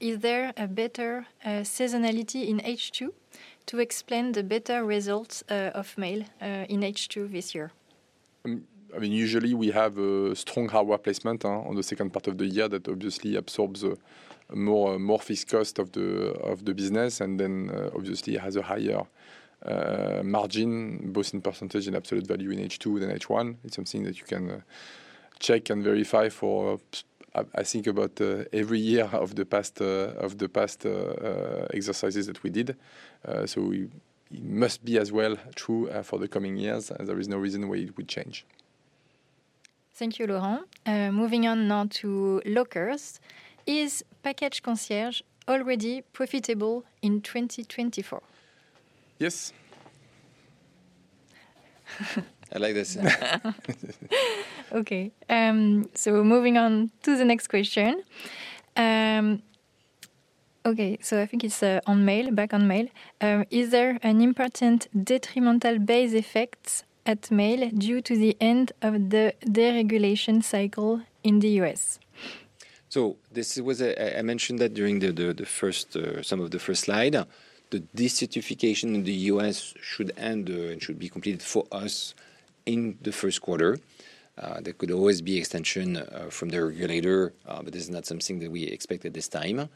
Is there a better seasonality in H2 to explain the better results of mail in H2 this year? I mean, usually we have a strong hardware placement on the second part of the year that obviously absorbs a more fixed cost of the business and then obviously has a higher margin, both in percentage and absolute value in H2 than H1. It is something that you can check and verify for, I think, about every year of the past exercises that we did. It must be as well true for the coming years, and there is no reason why it would change. Thank you, Laurent. Moving on now to Lockers. Is Package Concierge already profitable in 2024? Yes. I like that. Okay. Moving on to the next question. Okay, I think it's on mail, back on mail. Is there an important detrimental base effect at mail due to the end of the deregulation cycle in the U.S.? I mentioned that during some of the first slide. The decertification in the U.S. should end and should be completed for us in the first quarter. There could always be extension from the regulator, but this is not something that we expect at this time.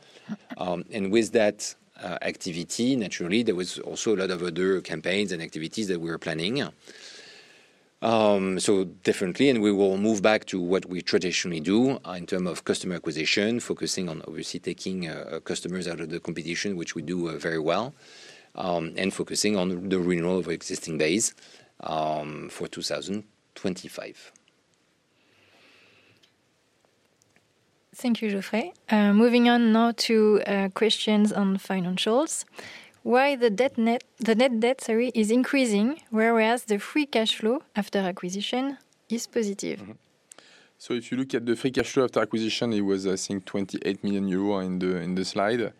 With that activity, naturally, there was also a lot of other campaigns and activities that we were planning. Definitely, we will move back to what we traditionally do in terms of customer acquisition, focusing on obviously taking customers out of the competition, which we do very well, and focusing on the renewal of existing base for 2025. Thank you, Geoffrey. Moving on now to questions on financials. Why the net debt, sorry, is increasing, whereas the free cash flow after acquisition is positive? If you look at the free cash flow after acquisition, it was, I think, 28 million euro in the slide.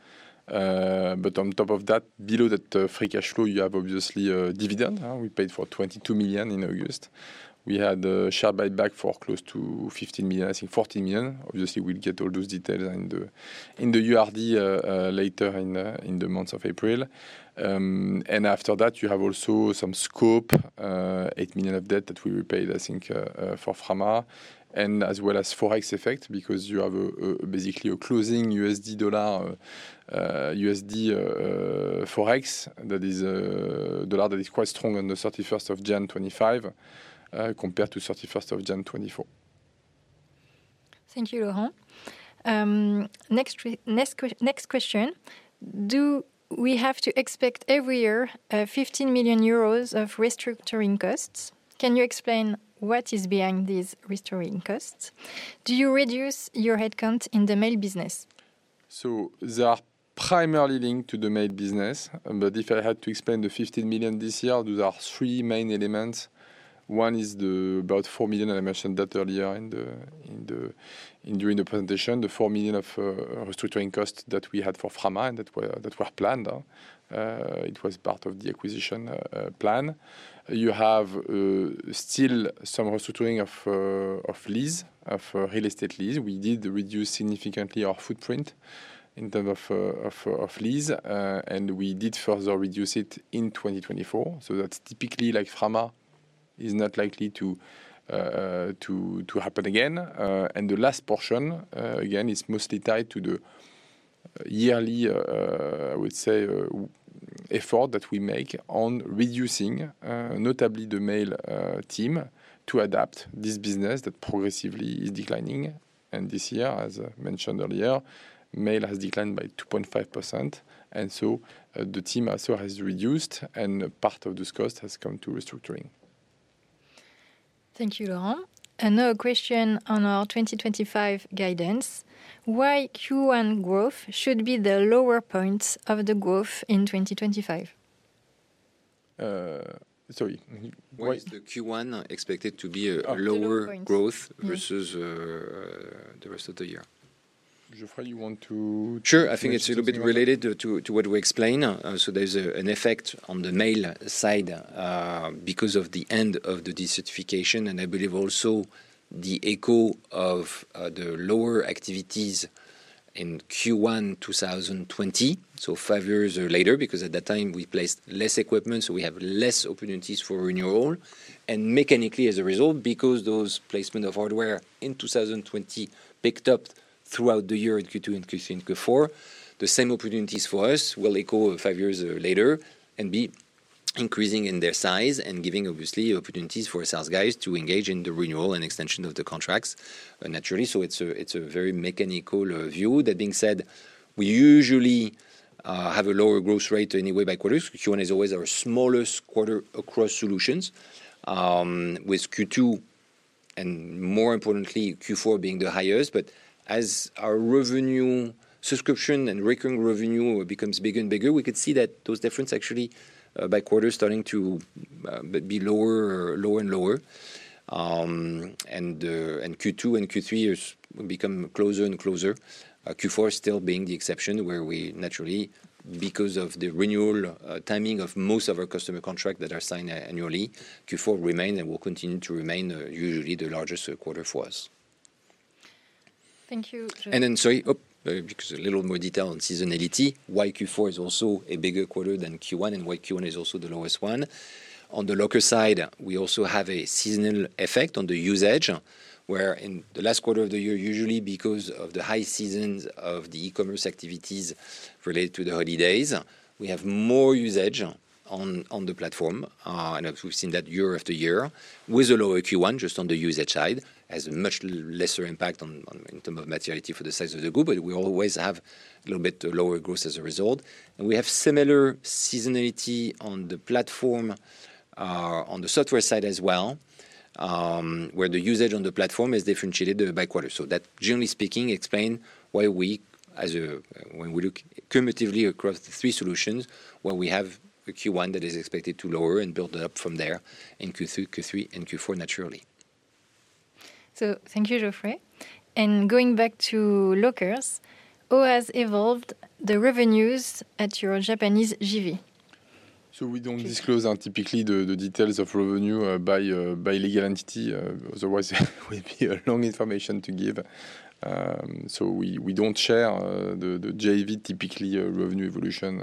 On top of that, below that free cash flow, you have obviously a dividend. We paid for 22 million in August. We had share buyback for close to 15 million, I think 14 million. Obviously, we'll get all those details in the URD later in the months of April. After that, you have also some scope, 8 million of debt that we paid, I think, for Frama. As well as Forex effect because you have basically a closing USD dollar USD Forex that is a dollar that is quite strong on the 31st of January 2025 compared to 31st of January 2024. Thank you, Laurent. Next question. Do we have to expect every year 15 million euros of restructuring costs? Can you explain what is behind these restructuring costs? Do you reduce your headcount in the mail business? They are primarily linked to the mail business. If I had to explain the 15 million this year, those are three main elements. One is about 4 million. I mentioned that earlier during the presentation, the 4 million of restructuring costs that we had for Frama, and that were planned. It was part of the acquisition plan. You have still some restructuring of lease, of real estate lease. We did reduce significantly our footprint in terms of lease, and we did further reduce it in 2024. That is typically like Frama is not likely to happen again. The last portion, again, is mostly tied to the yearly, I would say, effort that we make on reducing, notably the mail team, to adapt this business that progressively is declining. This year, as I mentioned earlier, mail has declined by 2.5%. The team also has reduced, and part of this cost has come to restructuring. Thank you, Laurent. Another question on our 2025 guidance. Why Q1 growth should be the lower points of the growth in 2025? Sorry. Why is the Q1 expected to be lower growth versus the rest of the year? Geoffrey, you want to? Sure. I think it's a little bit related to what we explain. There is an effect on the mail side because of the end of the decertification, and I believe also the echo of the lower activities in Q1 2020, so five years later, because at that time, we placed less equipment, so we have less opportunities for renewal. Mechanically, as a result, because those placements of hardware in 2020 picked up throughout the year in Q2 and Q3 and Q4, the same opportunities for us will echo five years later and be increasing in their size and giving, obviously, opportunities for sales guys to engage in the renewal and extension of the contracts naturally. It is a very mechanical view. That being said, we usually have a lower growth rate anyway by quarters. Q1 is always our smallest quarter across solutions, with Q2 and more importantly, Q4 being the highest. As our revenue subscription and recurring revenue becomes bigger and bigger, we could see that those differences actually by quarter starting to be lower and lower. Q2 and Q3 will become closer and closer. Q4 still being the exception where we naturally, because of the renewal timing of most of our customer contracts that are signed annually, Q4 remains and will continue to remain usually the largest quarter for us. Thank you. Sorry, because a little more detail on seasonality, why Q4 is also a bigger quarter than Q1 and why Q1 is also the lowest one. On the locker side, we also have a seasonal effect on the usage, where in the last quarter of the year, usually because of the high seasons of the e-commerce activities related to the holidays, we have more usage on the platform. We've seen that year after year with a lower Q1 just on the usage side, has a much lesser impact in terms of materiality for the size of the group, but we always have a little bit lower growth as a result. We have similar seasonality on the platform, on the software side as well, where the usage on the platform is differentiated by quarter. That, generally speaking, explains why we, when we look cumulatively across the three solutions, why we have a Q1 that is expected to lower and build up from there in Q2, Q3, and Q4 naturally. Thank you, Geoffrey. Going back to Lockers, how has evolved the revenues at your Japanese JV? We do not disclose typically the details of revenue by legal entity. Otherwise, it would be a long information to give. We do not share the JV typically revenue evolution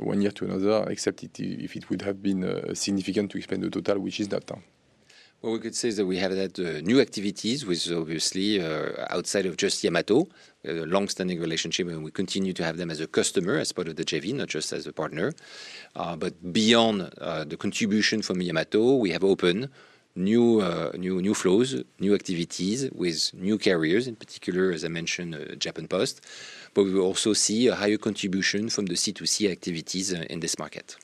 one year to another, except if it would have been significant to explain the total, which is that. What we could say is that we have had new activities with, obviously, outside of just Yamato, a long-standing relationship, and we continue to have them as a customer as part of the JV, not just as a partner. Beyond the contribution from Yamato, we have opened new flows, new activities with new carriers, in particular, as I mentioned, Japan Post. We will also see a higher contribution from the C2C activities in this market.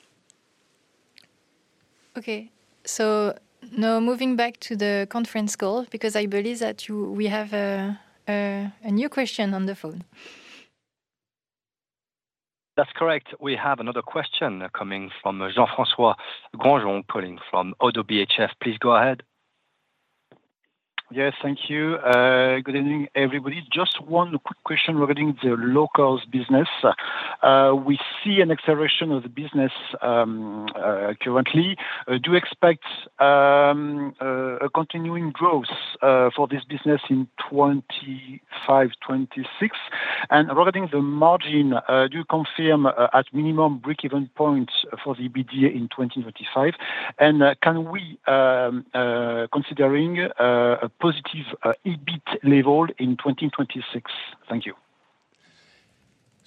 Okay. Now moving back to the conference call, because I believe that we have a new question on the phone. That's correct. We have another question coming from Jean-François Granjon calling from ODDO BHF. Please go ahead. Yes, thank you. Good evening, everybody. Just one quick question regarding the Lockers business. We see an acceleration of the business currently. Do you expect a continuing growth for this business in 2025-2026? Regarding the margin, do you confirm at minimum break-even point for the EBITDA in 2025? Can we consider a positive EBIT level in 2026? Thank you.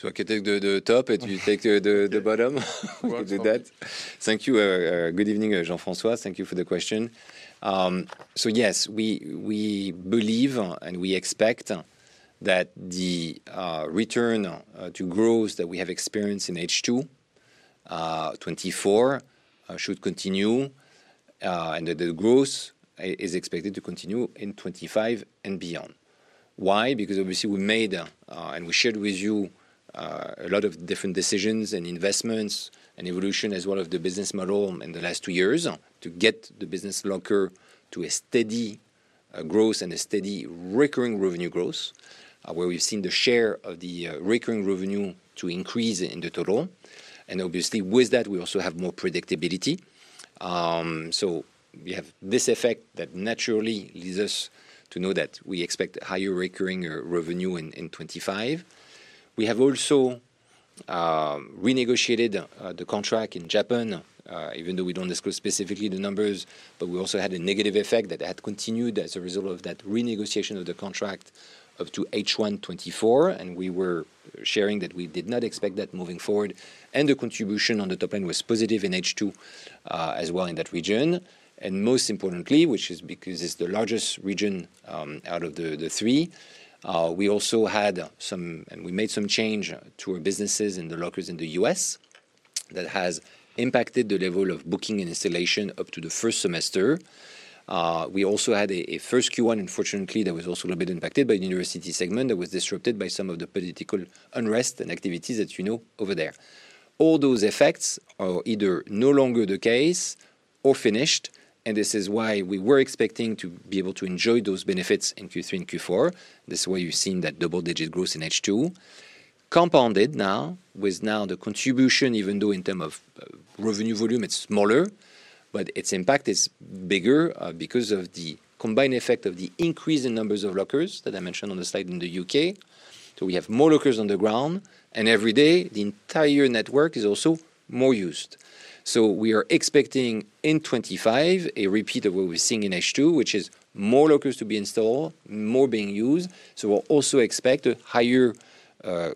I can take the top and you take the bottom. We can do that. Thank you. Good evening, Jean-François. Thank you for the question. Yes, we believe and we expect that the return to growth that we have experienced in H2 2024 should continue, and that the growth is expected to continue in 2025 and beyond. Why? Because obviously we made and we shared with you a lot of different decisions and investments and evolution as well of the business model in the last two years to get the business locker to a steady growth and a steady recurring revenue growth, where we've seen the share of the recurring revenue to increase in the total. Obviously with that, we also have more predictability. We have this effect that naturally leads us to know that we expect higher recurring revenue in 2025. We have also renegotiated the contract in Japan, even though we do not disclose specifically the numbers, but we also had a negative effect that had continued as a result of that renegotiation of the contract up to H1 2024. We were sharing that we did not expect that moving forward. The contribution on the top line was positive in H2 as well in that region. Most importantly, which is because it is the largest region out of the three, we also had some, and we made some change to our businesses in the Lockers in the U.S. that has impacted the level of booking and installation up to the first semester. We also had a first Q1, unfortunately, that was also a little bit impacted by the university segment that was disrupted by some of the political unrest and activities that you know over there. All those effects are either no longer the case or finished. This is why we were expecting to be able to enjoy those benefits in Q3 and Q4. This is why you've seen that double-digit growth in H2, compounded now with the contribution, even though in terms of revenue volume, it's smaller, but its impact is bigger because of the combined effect of the increase in numbers of Lockers that I mentioned on the slide in the U.K. We have more Lockers on the ground, and every day the entire network is also more used. We are expecting in 2025 a repeat of what we're seeing in H2, which is more Lockers to be installed, more being used. We also expect a higher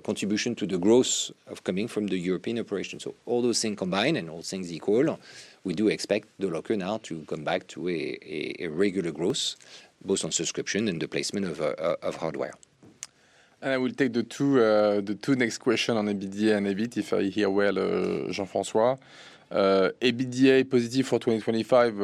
contribution to the growth coming from the European operations. All those things combined and all things equal, we do expect the locker now to come back to a regular growth, both on subscription and the placement of hardware. I will take the two next questions on EBITDA and EBIT, if I hear well, Jean-François. EBITDA positive for 2025,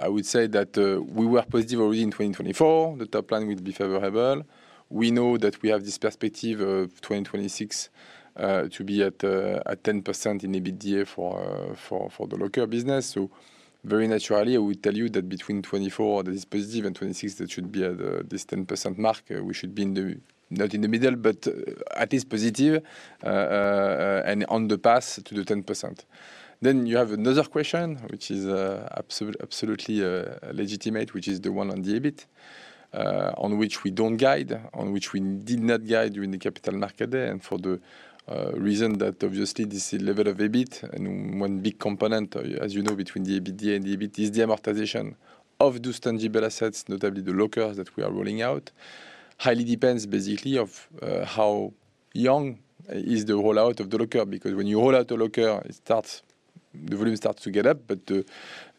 I would say that we were positive already in 2024. The top line will be favorable. We know that we have this perspective of 2026 to be at 10% in EBITDA for the locker business. Very naturally, I would tell you that between 2024, that is positive, and 2026, that should be at this 10% mark, we should be not in the middle, but at least positive and on the path to the 10%. You have another question, which is absolutely legitimate, which is the one on the EBIT, on which we do not guide, on which we did not guide during the Capital Markets Day. For the reason that obviously this level of EBIT, and one big component, as you know, between the EBITDA and the EBIT, is the amortization of those tangible assets, notably the Lockers that we are rolling out, highly depends basically on how young is the rollout of the locker. Because when you roll out a locker, the volume starts to get up, but the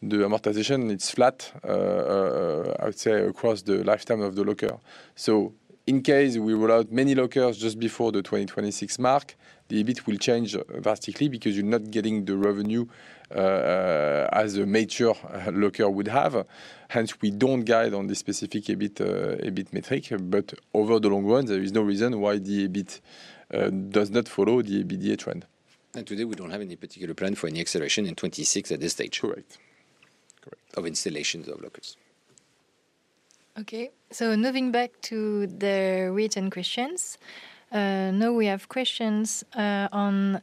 amortization, it's flat, I would say, across the lifetime of the locker. In case we roll out many Lockers just before the 2026 mark, the EBIT will change drastically because you're not getting the revenue as a major locker would have. Hence, we don't guide on the specific EBIT metric, but over the long run, there is no reason why the EBIT does not follow the EBITDA trend. Today, we don't have any particular plan for any acceleration in 2026 at this stage. Correct. Of installations of Lockers. Okay. Moving back to the written questions. Now we have questions on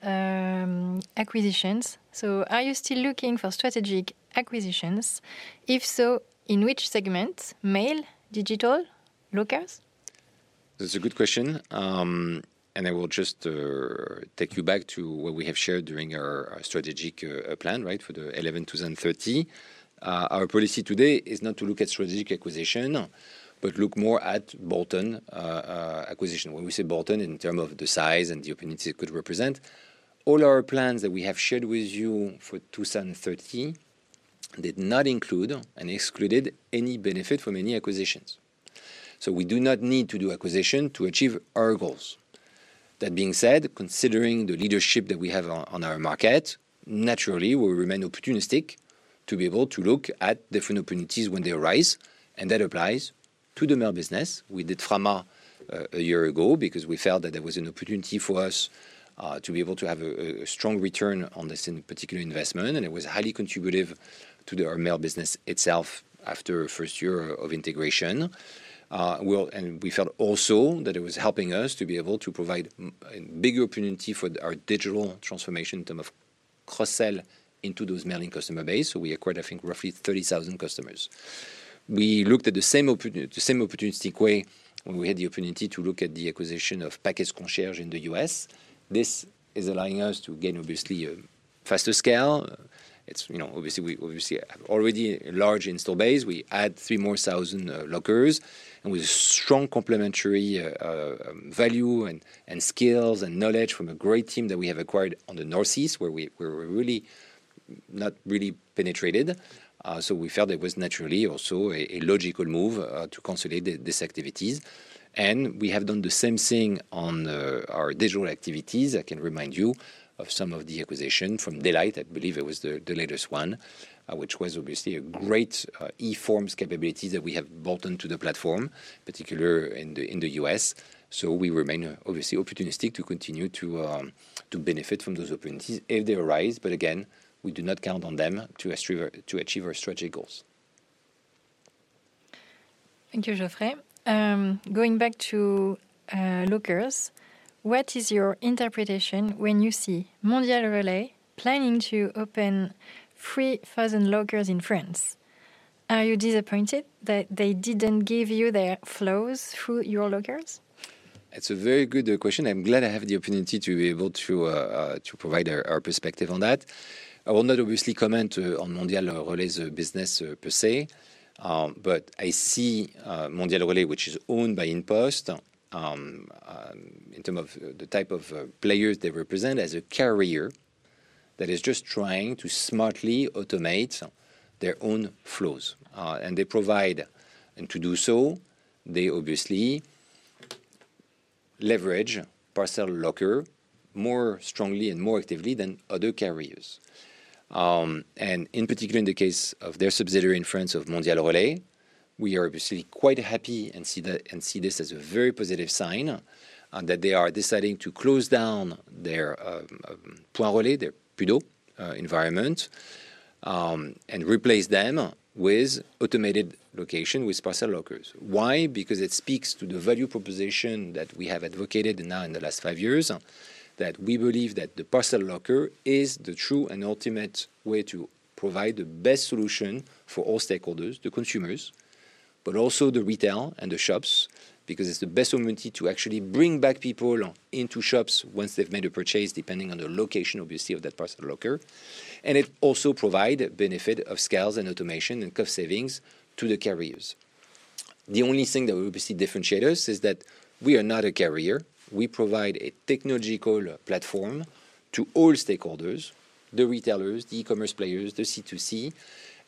acquisitions. Are you still looking for strategic acquisitions? If so, in which segment? Mail, Digital, Lockers? That's a good question. I will just take you back to what we have shared during our strategic plan for 2030. Our policy today is not to look at strategic acquisition, but look more at bolt-on acquisition. When we say bolt-on in terms of the size and the opportunity it could represent, all our plans that we have shared with you for 2030 did not include and excluded any benefit from any acquisitions. We do not need to do acquisition to achieve our goals. That being said, considering the leadership that we have on our market, naturally, we will remain opportunistic to be able to look at different opportunities when they arise. That applies to the mail business. We did Frama a year ago because we felt that there was an opportunity for us to be able to have a strong return on this particular investment, and it was highly contributive to our mail business itself after the first year of integration. We felt also that it was helping us to be able to provide a bigger opportunity for our digital transformation in terms of cross-sell into those mailing customer base. We acquired, I think, roughly 30,000 customers. We looked at the same opportunistic way when we had the opportunity to look at the acquisition of Package Concierge in the U.S. This is allowing us to gain, obviously, faster scale. Obviously, we already have a large install base. We add three more thousand Lockers, and with strong complementary value and skills and knowledge from a great team that we have acquired on the Northeast, where we were really not really penetrated. We felt it was naturally also a logical move to consolidate these activities. We have done the same thing on our digital activities. I can remind you of some of the acquisitions from the Daylight. I believe it was the latest one, which was obviously a great e-forms capability that we have bolted to the platform, particularly in the U.S. We remain obviously opportunistic to continue to benefit from those opportunities if they arise. Again, we do not count on them to achieve our strategic goals. Thank you, Geoffrey. Going back to Lockers, what is your interpretation when you see Mondial Relay planning to open 3,000 Lockers in France? Are you disappointed that they didn't give you their flows through your Lockers? That's a very good question. I'm glad I have the opportunity to be able to provide our perspective on that. I will not obviously comment on Mondial Relay's business per se, but I see Mondial Relay, which is owned by InPost, in terms of the type of players they represent, as a carrier that is just trying to smartly automate their own flows. They provide, and to do so, they obviously leverage the Parcel Lockers more strongly and more actively than other carriers. In particular, in the case of their subsidiary in France of Mondial Relay, we are obviously quite happy and see this as a very positive sign that they are deciding to close down their Point Relais (PUDO) environment, and replace them with automated location with Parcel Lockers. Why? Because it speaks to the value proposition that we have advocated now in the last five years, that we believe that the Parcel Locker is the true and ultimate way to provide the best solution for all stakeholders, the consumers, but also the retail and the shops, because it's the best opportunity to actually bring back people into shops once they've made a purchase, depending on the location, obviously, of that Parcel Locker. It also provides the benefit of scales and automation and cost savings to the carriers. The only thing that will obviously differentiate us is that we are not a carrier. We provide a technological platform to all stakeholders, the retailers, the e-commerce players, the C2C,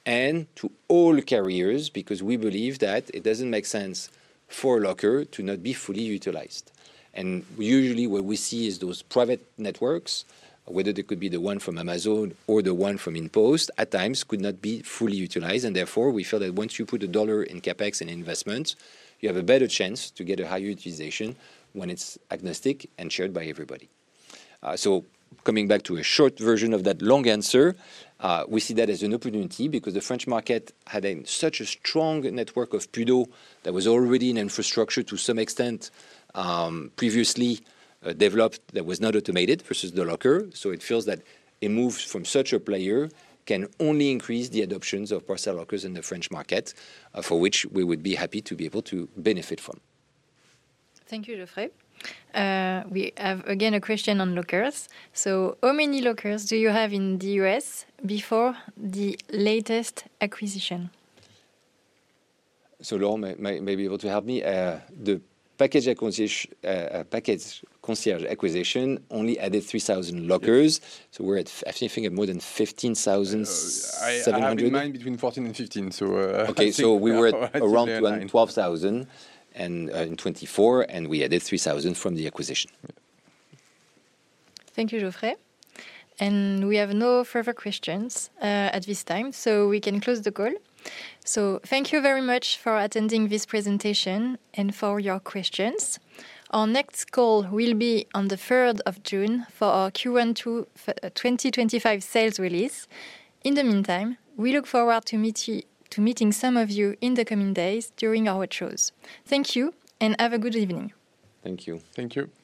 and to all carriers, because we believe that it doesn't make sense for a locker to not be fully utilized. Usually, what we see is those private networks, whether they could be the one from Amazon or the one from InPost, at times could not be fully utilized. Therefore, we feel that once you put a dollar in CapEx and investment, you have a better chance to get a higher utilization when it's agnostic and shared by everybody. Coming back to a short version of that long answer, we see that as an opportunity because the French market had such a strong network of PUDO that was already in infrastructure to some extent previously developed that was not automated versus the locker. It feels that a move from such a player can only increase the adoptions of Parcel Lockers in the French market, for which we would be happy to be able to benefit from. Thank you, Geoffrey. We have again a question on Lockers. How many Lockers do you have in the U.S. before the latest acquisition? Laurent may be able to help me. The Package Concierge acquisition only added 3,000 Lockers. So we're at, if you think of more than 15,700. I'm in between 14 and 15, so. Okay, so we were around 12,000 in 2024, and we added 3,000 from the acquisition. Thank you, Geoffrey. We have no further questions at this time, so we can close the call. Thank you very much for attending this presentation and for your questions. Our next call will be on the 3rd June for our Q1 2025 sales release. In the meantime, we look forward to meeting some of you in the coming days during our shows. Thank you and have a good evening. Thank you. Thank you.